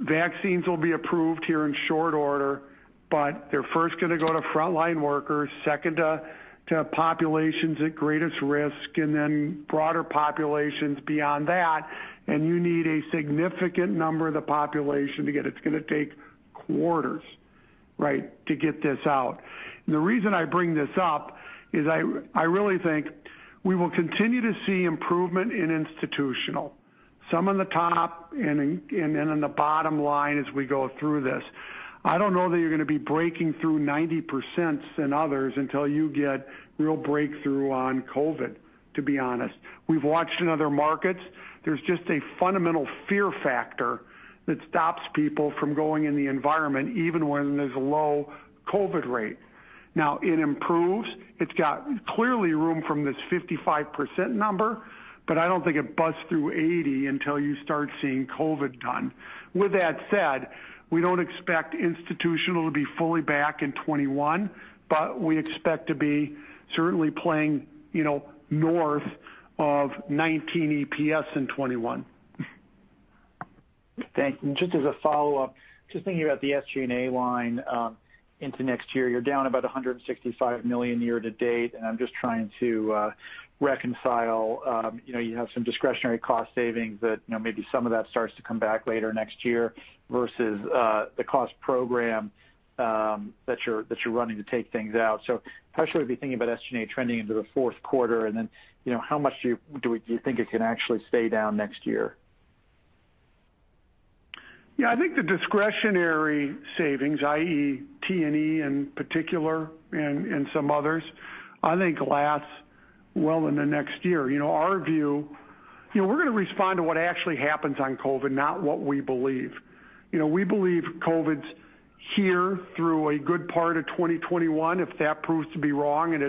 vaccines will be approved here in short order, but they're first going to go to frontline workers, second to populations at greatest risk, and then broader populations beyond that. You need a significant number of the population to get it. It's going to take quarters to get this out. The reason I bring this up is I really think we will continue to see improvement in institutional, some in the top and in the bottom line as we go through this. I don't know that you're going to be breaking through 90% in others until you get real breakthrough on COVID, to be honest. We've watched in other markets. There's just a fundamental fear factor that stops people from going in the environment even when there's a low COVID rate. Now, it improves. It's got clearly room from this 55% number, but I don't think it busts through 80% until you start seeing COVID done. With that said, we don't expect institutional to be fully back in 2021, but we expect to be certainly playing north of 2019 EPS in 2021. Thank you. Just as a follow-up, just thinking about the SG&A line into next year. You're down about $165 million year-to-date, and I'm just trying to reconcile, you have some discretionary cost savings that maybe some of that starts to come back later next year versus the cost program that you're running to take things out. How should I be thinking about SG&A trending into the fourth quarter? How much do you think it can actually stay down next year? I think the discretionary savings, i.e. T&E in particular and some others, I think last well in the next year. Our view, we're going to respond to what actually happens on COVID, not what we believe. We believe COVID's here through a good part of 2021. If that proves to be wrong and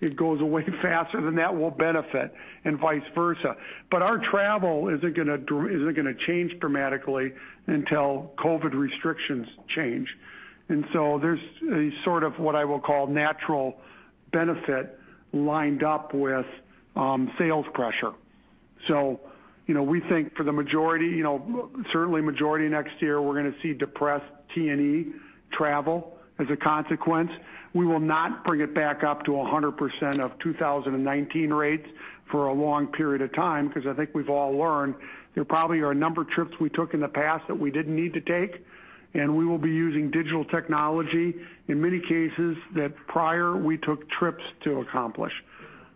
it goes away faster, that will benefit and vice versa. Our travel isn't going to change dramatically until COVID restrictions change. There's a sort of what I will call natural benefit lined up with sales pressure. We think for the majority next year, we're going to see depressed T&E travel as a consequence. We will not bring it back up to 100% of 2019 rates for a long period of time because I think we've all learned there probably are a number of trips we took in the past that we didn't need to take. We will be using digital technology in many cases that prior we took trips to accomplish.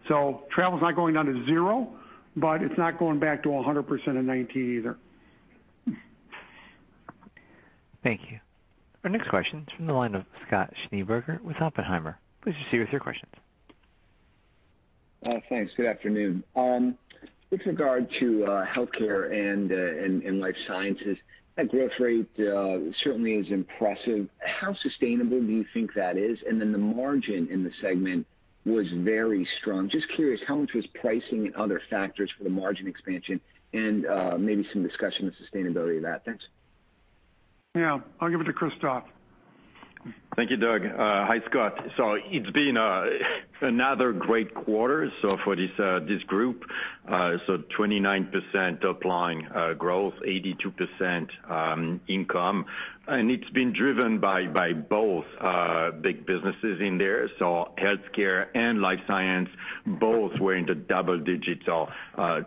So travel is not going down to zero, but it's not going back to 100% of 2019 either. Thank you. Our next question is from the line of Scott Schneeberger with Oppenheimer. Please proceed with your questions. Thanks. Good afternoon. With regard to healthcare and life sciences, that growth rate certainly is impressive. How sustainable do you think that is? The margin in the segment was very strong. Just curious, how much was pricing and other factors for the margin expansion? Maybe some discussion of sustainability of that. Thanks. Yeah. I'll give it to Christophe. Thank you, Doug. Hi, Scott. It's been another great quarter for this group. 29% top line growth, 82% income, and it's been driven by both big businesses in there. Healthcare and Life Science both were in the double digits of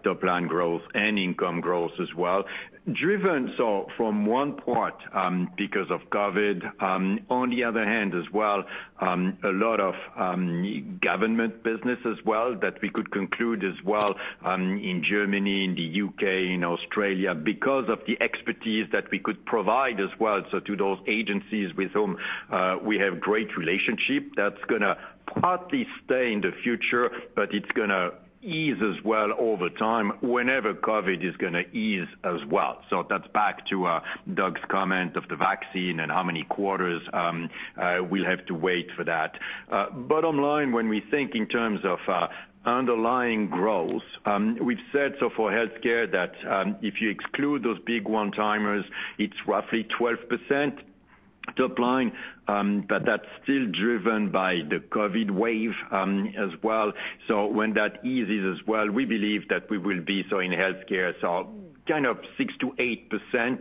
top line growth and income growth as well. Driven, from one part, because of COVID. On the other hand as well, a lot of government business as well that we could conclude as well in Germany, in the U.K., in Australia because of the expertise that we could provide as well, to those agencies with whom we have great relationship. That's going to partly stay in the future, but it's going to ease as well over time whenever COVID is going to ease as well. That's back to Doug's comment of the vaccine and how many quarters we'll have to wait for that. Bottom line, when we think in terms of underlying growth, we've said so for healthcare that if you exclude those big one-timers, it's roughly 12% top line. That's still driven by the COVID wave as well. When that eases as well, we believe that we will be in healthcare, kind of 6%-8%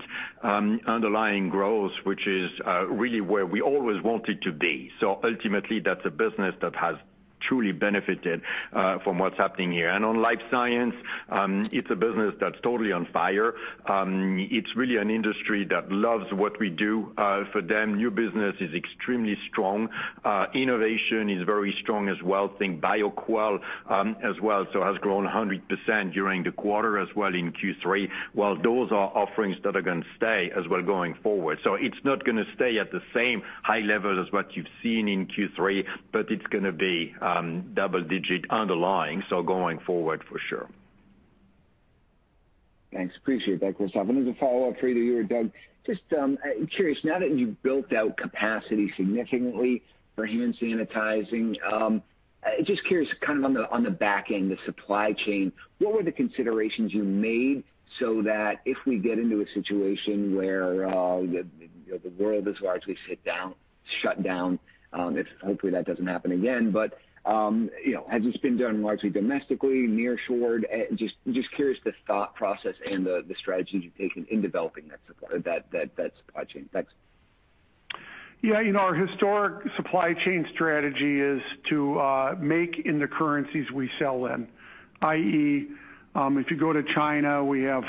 underlying growth, which is really where we always wanted to be. Ultimately, that's a business that has truly benefited from what's happening here. On life science, it's a business that's totally on fire. It's really an industry that loves what we do for them. New business is extremely strong. Innovation is very strong as well. Think Bioquell as well, has grown 100% during the quarter as well in Q3, while those are offerings that are going to stay as well going forward. It's not going to stay at the same high level as what you've seen in Q3, but it's going to be double-digit underlying, going forward for sure. Thanks. Appreciate that, Christophe. As a follow-up for either you or Doug, just curious, now that you've built out capacity significantly for hand sanitizing, just curious kind of on the back end, the supply chain, what were the considerations you made so that if we get into a situation where the world is largely shut down, hopefully that doesn't happen again. Has this been done largely domestically, near shored? Just curious the thought process and the strategies you've taken in developing that supply chain. Thanks. Yeah. Our historic supply chain strategy is to make in the currencies we sell in. i.e., if you go to China, we have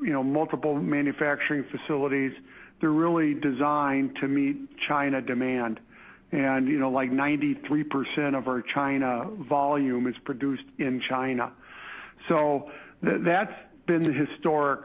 multiple manufacturing facilities. They're really designed to meet China demand. Like 93% of our China volume is produced in China. That's been the historic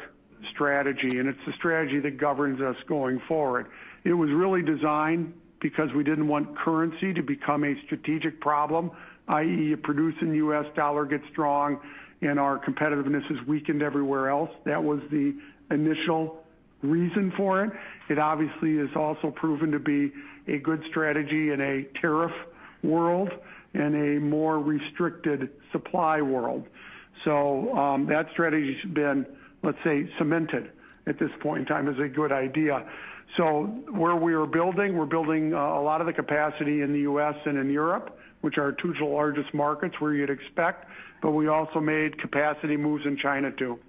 strategy, and it's the strategy that governs us going forward. It was really designed because we didn't want currency to become a strategic problem, i.e., you produce and the U.S. dollar gets strong and our competitiveness is weakened everywhere else. That was the initial reason for it. It obviously has also proven to be a good strategy in a tariff world and a more restricted supply world. That strategy's been, let's say, cemented at this point in time as a good idea. Where we're building a lot of the capacity in the U.S. and in Europe, which are two of the largest markets where you'd expect, but we also made capacity moves in China, too.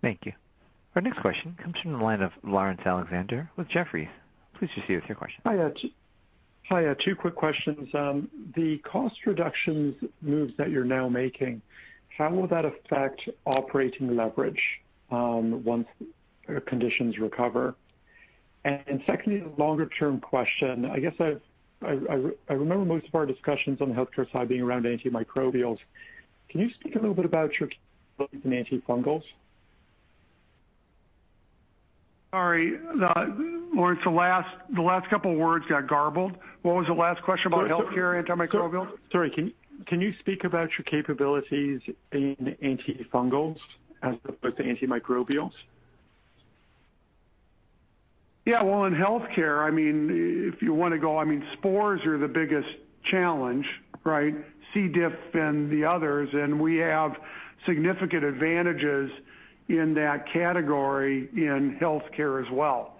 Thank you. Our next question comes from the line of Laurence Alexander with Jefferies. Please proceed with your question. Hi. Two quick questions. The cost reductions moves that you're now making, how will that affect operating leverage once conditions recover? Secondly, the longer-term question, I guess I remember most of our discussions on the healthcare side being around antimicrobials. Can you speak a little bit about your capabilities in antifungals? Sorry, Laurence, the last couple of words got garbled. What was the last question about healthcare antimicrobial? Sorry. Can you speak about your capabilities in antifungals as opposed to antimicrobials? Yeah. Well, in healthcare, if you want to go, spores are the biggest challenge, right. C. diff and the others, we have significant advantages in that category in healthcare as well.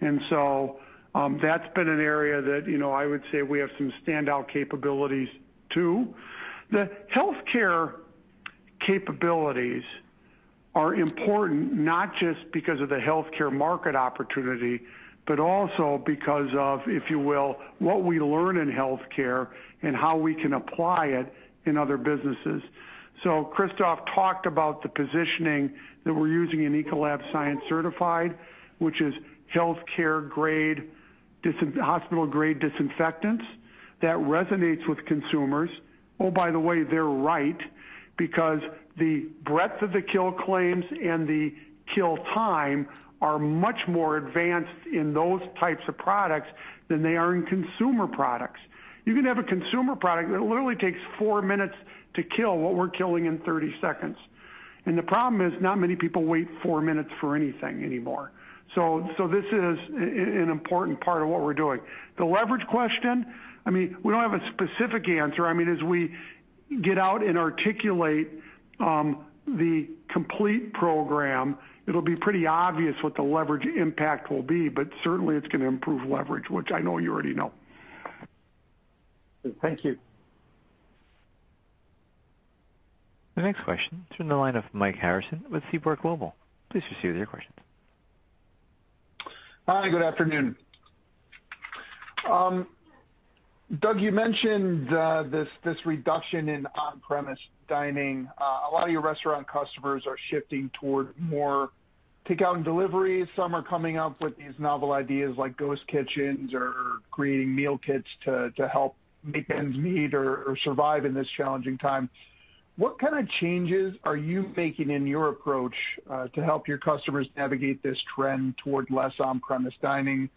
That's been an area that I would say we have some standout capabilities, too. The healthcare capabilities are important not just because of the healthcare market opportunity, but also because of, if you will, what we learn in healthcare and how we can apply it in other businesses. Christophe talked about the positioning that we're using in Ecolab Science Certified, which is Hospital-grade disinfectants that resonates with consumers. Oh, by the way, they're right, because the breadth of the kill claims and the kill time are much more advanced in those types of products than they are in consumer products. You can have a consumer product that literally takes four minutes to kill what we're killing in 30 seconds. The problem is, not many people wait four minutes for anything anymore. This is an important part of what we're doing. The leverage question, we don't have a specific answer. As we get out and articulate the complete program, it'll be pretty obvious what the leverage impact will be. Certainly, it's going to improve leverage, which I know you already know. Thank you. The next question is from the line of Mike Harrison with Seaport Global. Please proceed with your questions. Hi, good afternoon. Doug, you mentioned this reduction in on-premise dining. A lot of your restaurant customers are shifting toward more takeout and delivery. Some are coming up with these novel ideas like ghost kitchens or creating meal kits to help make ends meet or survive in this challenging time. What kind of changes are you making in your approach, to help your customers navigate this trend toward less on-premise dining?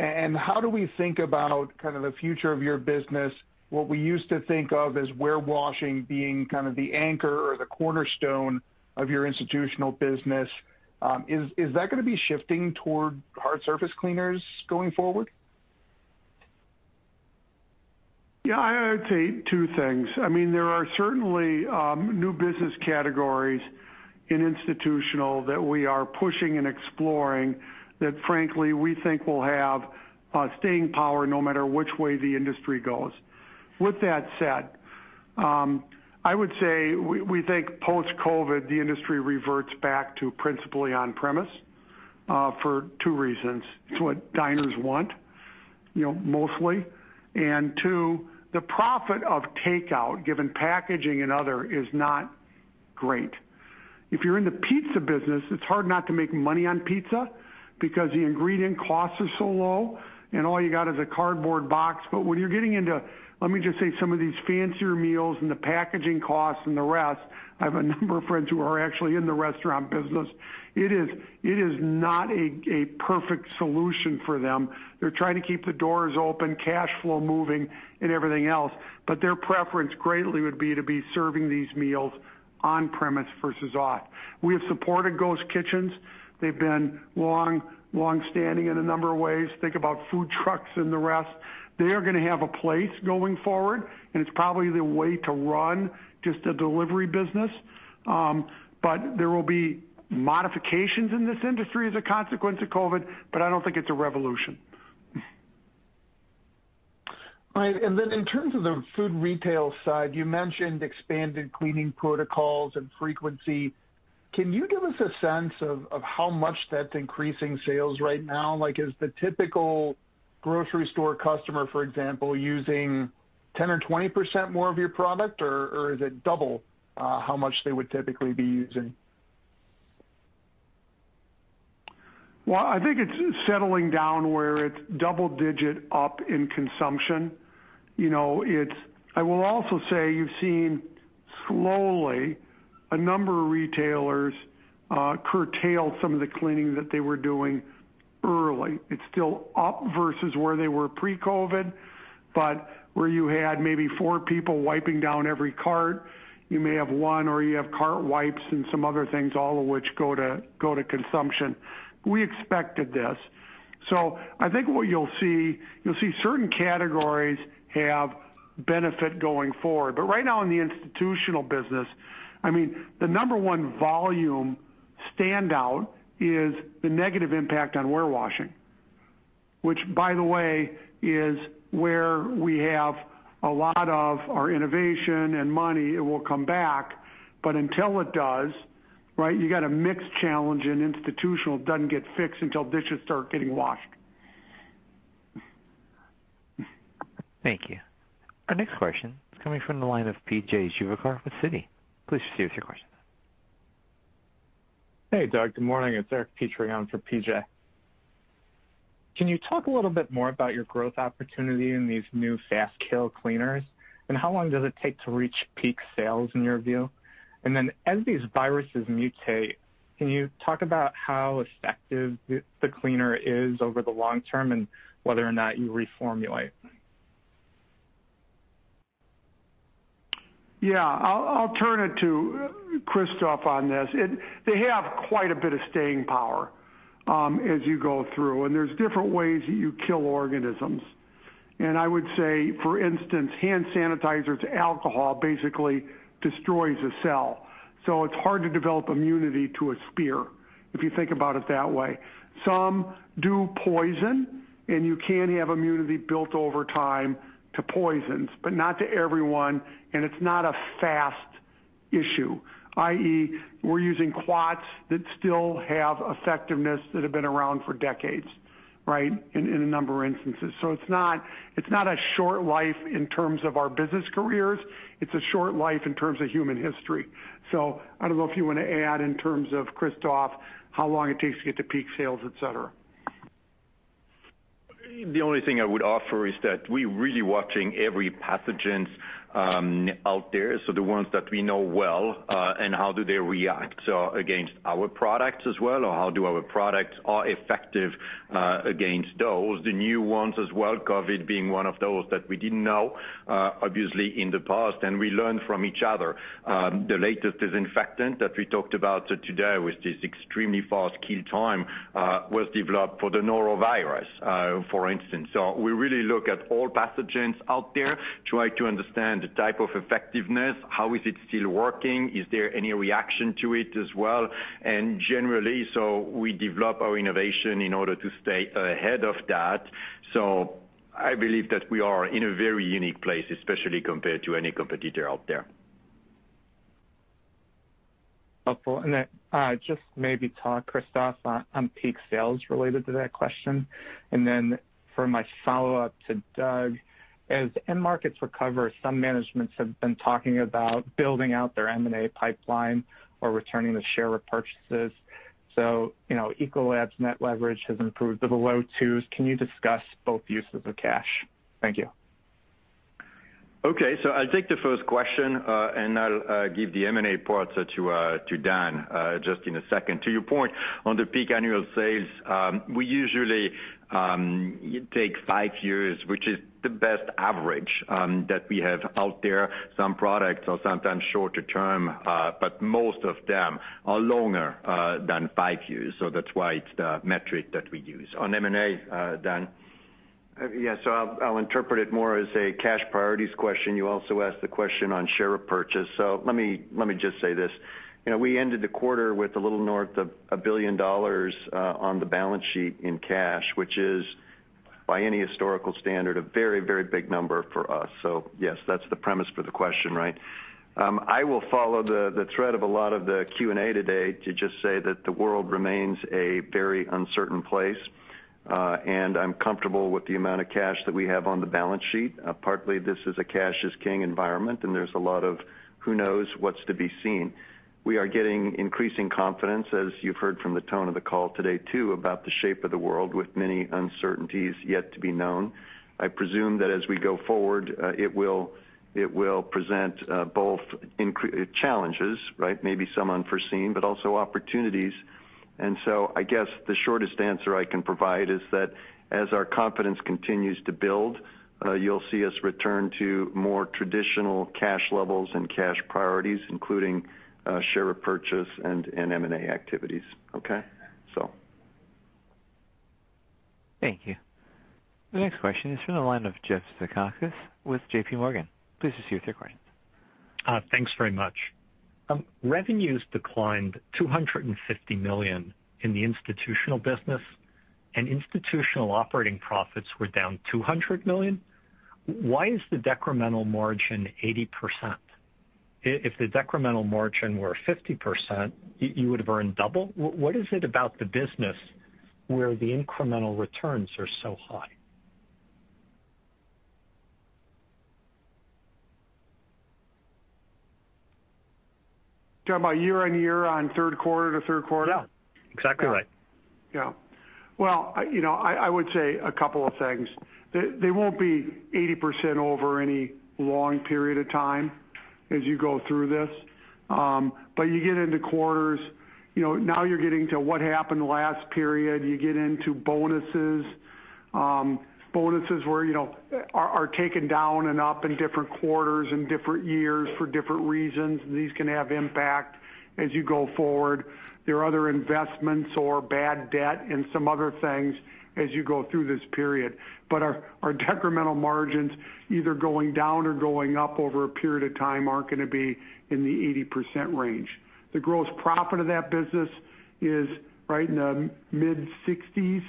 How do we think about kind of the future of your business? What we used to think of as warewashing being kind of the anchor or the cornerstone of your institutional business, is that going to be shifting toward hard surface cleaners going forward? Yeah, I would say two things. There are certainly new business categories in institutional that we are pushing and exploring that frankly, we think will have staying power no matter which way the industry goes. With that said, I would say, we think post-COVID, the industry reverts back to principally on-premise, for two reasons. It's what diners want, mostly. Two, the profit of takeout, given packaging and other, is not great. If you're in the pizza business, it's hard not to make money on pizza because the ingredient costs are so low, and all you got is a cardboard box. When you're getting into, let me just say, some of these fancier meals and the packaging costs and the rest, I have a number of friends who are actually in the restaurant business, it is not a perfect solution for them. They're trying to keep the doors open, cash flow moving, and everything else. Their preference greatly would be to be serving these meals on-premise versus off. We have supported ghost kitchens. They've been longstanding in a number of ways. Think about food trucks and the rest. They are going to have a place going forward, and it's probably the way to run just a delivery business. There will be modifications in this industry as a consequence of COVID, but I don't think it's a revolution. Right. In terms of the food retail side, you mentioned expanded cleaning protocols and frequency. Can you give us a sense of how much that's increasing sales right now? Like, is the typical grocery store customer, for example, using 10% or 20% more of your product, or is it double how much they would typically be using? Well, I think it's settling down where it's double-digit up in consumption. I will also say you've seen slowly, a number of retailers curtail some of the cleaning that they were doing early. It's still up versus where they were pre-COVID, but where you had maybe four people wiping down every cart, you may have one, or you have cart wipes and some other things, all of which go to consumption. We expected this. I think what you'll see certain categories have benefit going forward. Right now in the institutional business, the number one volume standout is the negative impact on warewashing, which, by the way, is where we have a lot of our innovation and money. It will come back, but until it does, you got a mix challenge in institutional. It doesn't get fixed until dishes start getting washed. Thank you. Our next question is coming from the line of PJ Juvekar with Citi. Please proceed with your questions. Hey, Doug. Good morning. It's Eric Petrie for PJ. Can you talk a little bit more about your growth opportunity in these new fast kill cleaners, and how long does it take to reach peak sales in your view? As these viruses mutate, can you talk about how effective the cleaner is over the long term and whether or not you reformulate? Yeah. I'll turn it to Christophe on this. They have quite a bit of staying power as you go through. There's different ways that you kill organisms. I would say, for instance, hand sanitizers, alcohol basically destroys a cell. It's hard to develop immunity to a spear, if you think about it that way. Some do poison, and you can have immunity built over time to poisons, but not to every one, and it's not a fast issue, i.e., we're using quats that still have effectiveness that have been around for decades in a number of instances. It's not a short life in terms of our business careers. It's a short life in terms of human history. I don't know if you want to add in terms of Christophe, how long it takes to get to peak sales, et cetera. The only thing I would offer is that we're really watching every pathogen out there, so the ones that we know well, and how do they react against our products as well, or how do our products are effective against those. The new ones as well, COVID being one of those that we didn't know, obviously, in the past, and we learn from each other. The latest disinfectant that we talked about today with this extremely fast kill time, was developed for the norovirus, for instance. We really look at all pathogens out there, try to understand the type of effectiveness, how is it still working, is there any reaction to it as well. Generally, we develop our innovation in order to stay ahead of that. I believe that we are in a very unique place, especially compared to any competitor out there. Helpful. Just maybe talk, Christophe, on peak sales related to that question. For my follow-up to Doug, as end markets recover, some managements have been talking about building out their M&A pipeline or returning the share repurchases. Ecolab's net leverage has improved to the low twos. Can you discuss both uses of cash? Thank you. Okay. I'll take the first question, and I'll give the M&A part to Dan just in a second. To your point on the peak annual sales, we usually take five years, which is the best average that we have out there. Some products are sometimes shorter term, but most of them are longer than five years. That's why it's the metric that we use. On M&A, Dan? Yeah. I'll interpret it more as a cash priorities question. You also asked the question on share repurchase. Let me just say this. We ended the quarter with a little north of $1 billion on the balance sheet in cash, which is, by any historical standard, a very, very big number for us. Yes, that's the premise for the question, right. I will follow the thread of a lot of the Q&A today to just say that the world remains a very uncertain place, and I'm comfortable with the amount of cash that we have on the balance sheet. Partly, this is a cash is king environment, and there's a lot of who knows what's to be seen. We are getting increasing confidence, as you've heard from the tone of the call today, too, about the shape of the world with many uncertainties yet to be known. I presume that as we go forward, it will present both challenges, right. Maybe some unforeseen, but also opportunities. I guess the shortest answer I can provide is that as our confidence continues to build, you'll see us return to more traditional cash levels and cash priorities, including share repurchase and M&A activities. Okay? Thank you. The next question is from the line of Jeff Zekauskas with JPMorgan. Please proceed with your question. Thanks very much. Revenues declined $250 million in the institutional business, and institutional operating profits were down $200 million. Why is the decremental margin 80%? If the decremental margin were 50%, you would've earned double. What is it about the business where the incremental returns are so high? Talking about year-on-year on third quarter to third quarter? Yeah, exactly right. Yeah. Well, I would say a couple of things. They won't be 80% over any long period of time as you go through this. You get into quarters, now you're getting to what happened last period. You get into bonuses. Bonuses are taken down and up in different quarters and different years for different reasons. These can have impact as you go forward. There are other investments or bad debt and some other things as you go through this period. Our decremental margins, either going down or going up over a period of time, aren't going to be in the 80% range. The gross profit of that business is right in the mid-60%s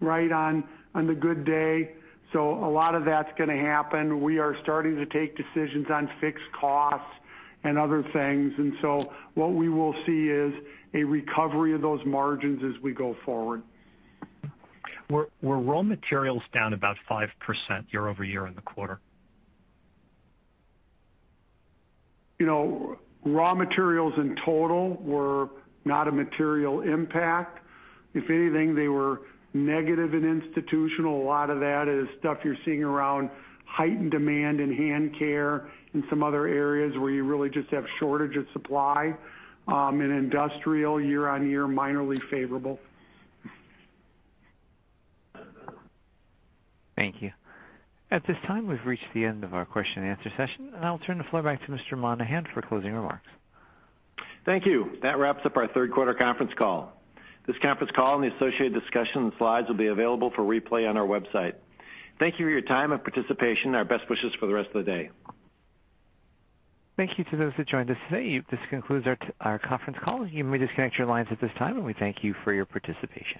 right on the good day. A lot of that's going to happen. We are starting to take decisions on fixed costs and other things. What we will see is a recovery of those margins as we go forward. Were raw materials down about 5% year-over-year in the quarter? Raw materials in total were not a material impact. If anything, they were negative in institutional. A lot of that is stuff you're seeing around heightened demand in hand care and some other areas where you really just have shortage of supply. In industrial, year-on-year, minorly favorable. Thank you. At this time, we've reached the end of our question and answer session. I'll turn the floor back to Mr. Monahan for closing remarks. Thank you. That wraps up our third quarter conference call. This conference call and the associated discussion and slides will be available for replay on our website. Thank you for your time and participation. Our best wishes for the rest of the day. Thank you to those who joined us today. This concludes our conference call. You may disconnect your lines at this time, and we thank you for your participation.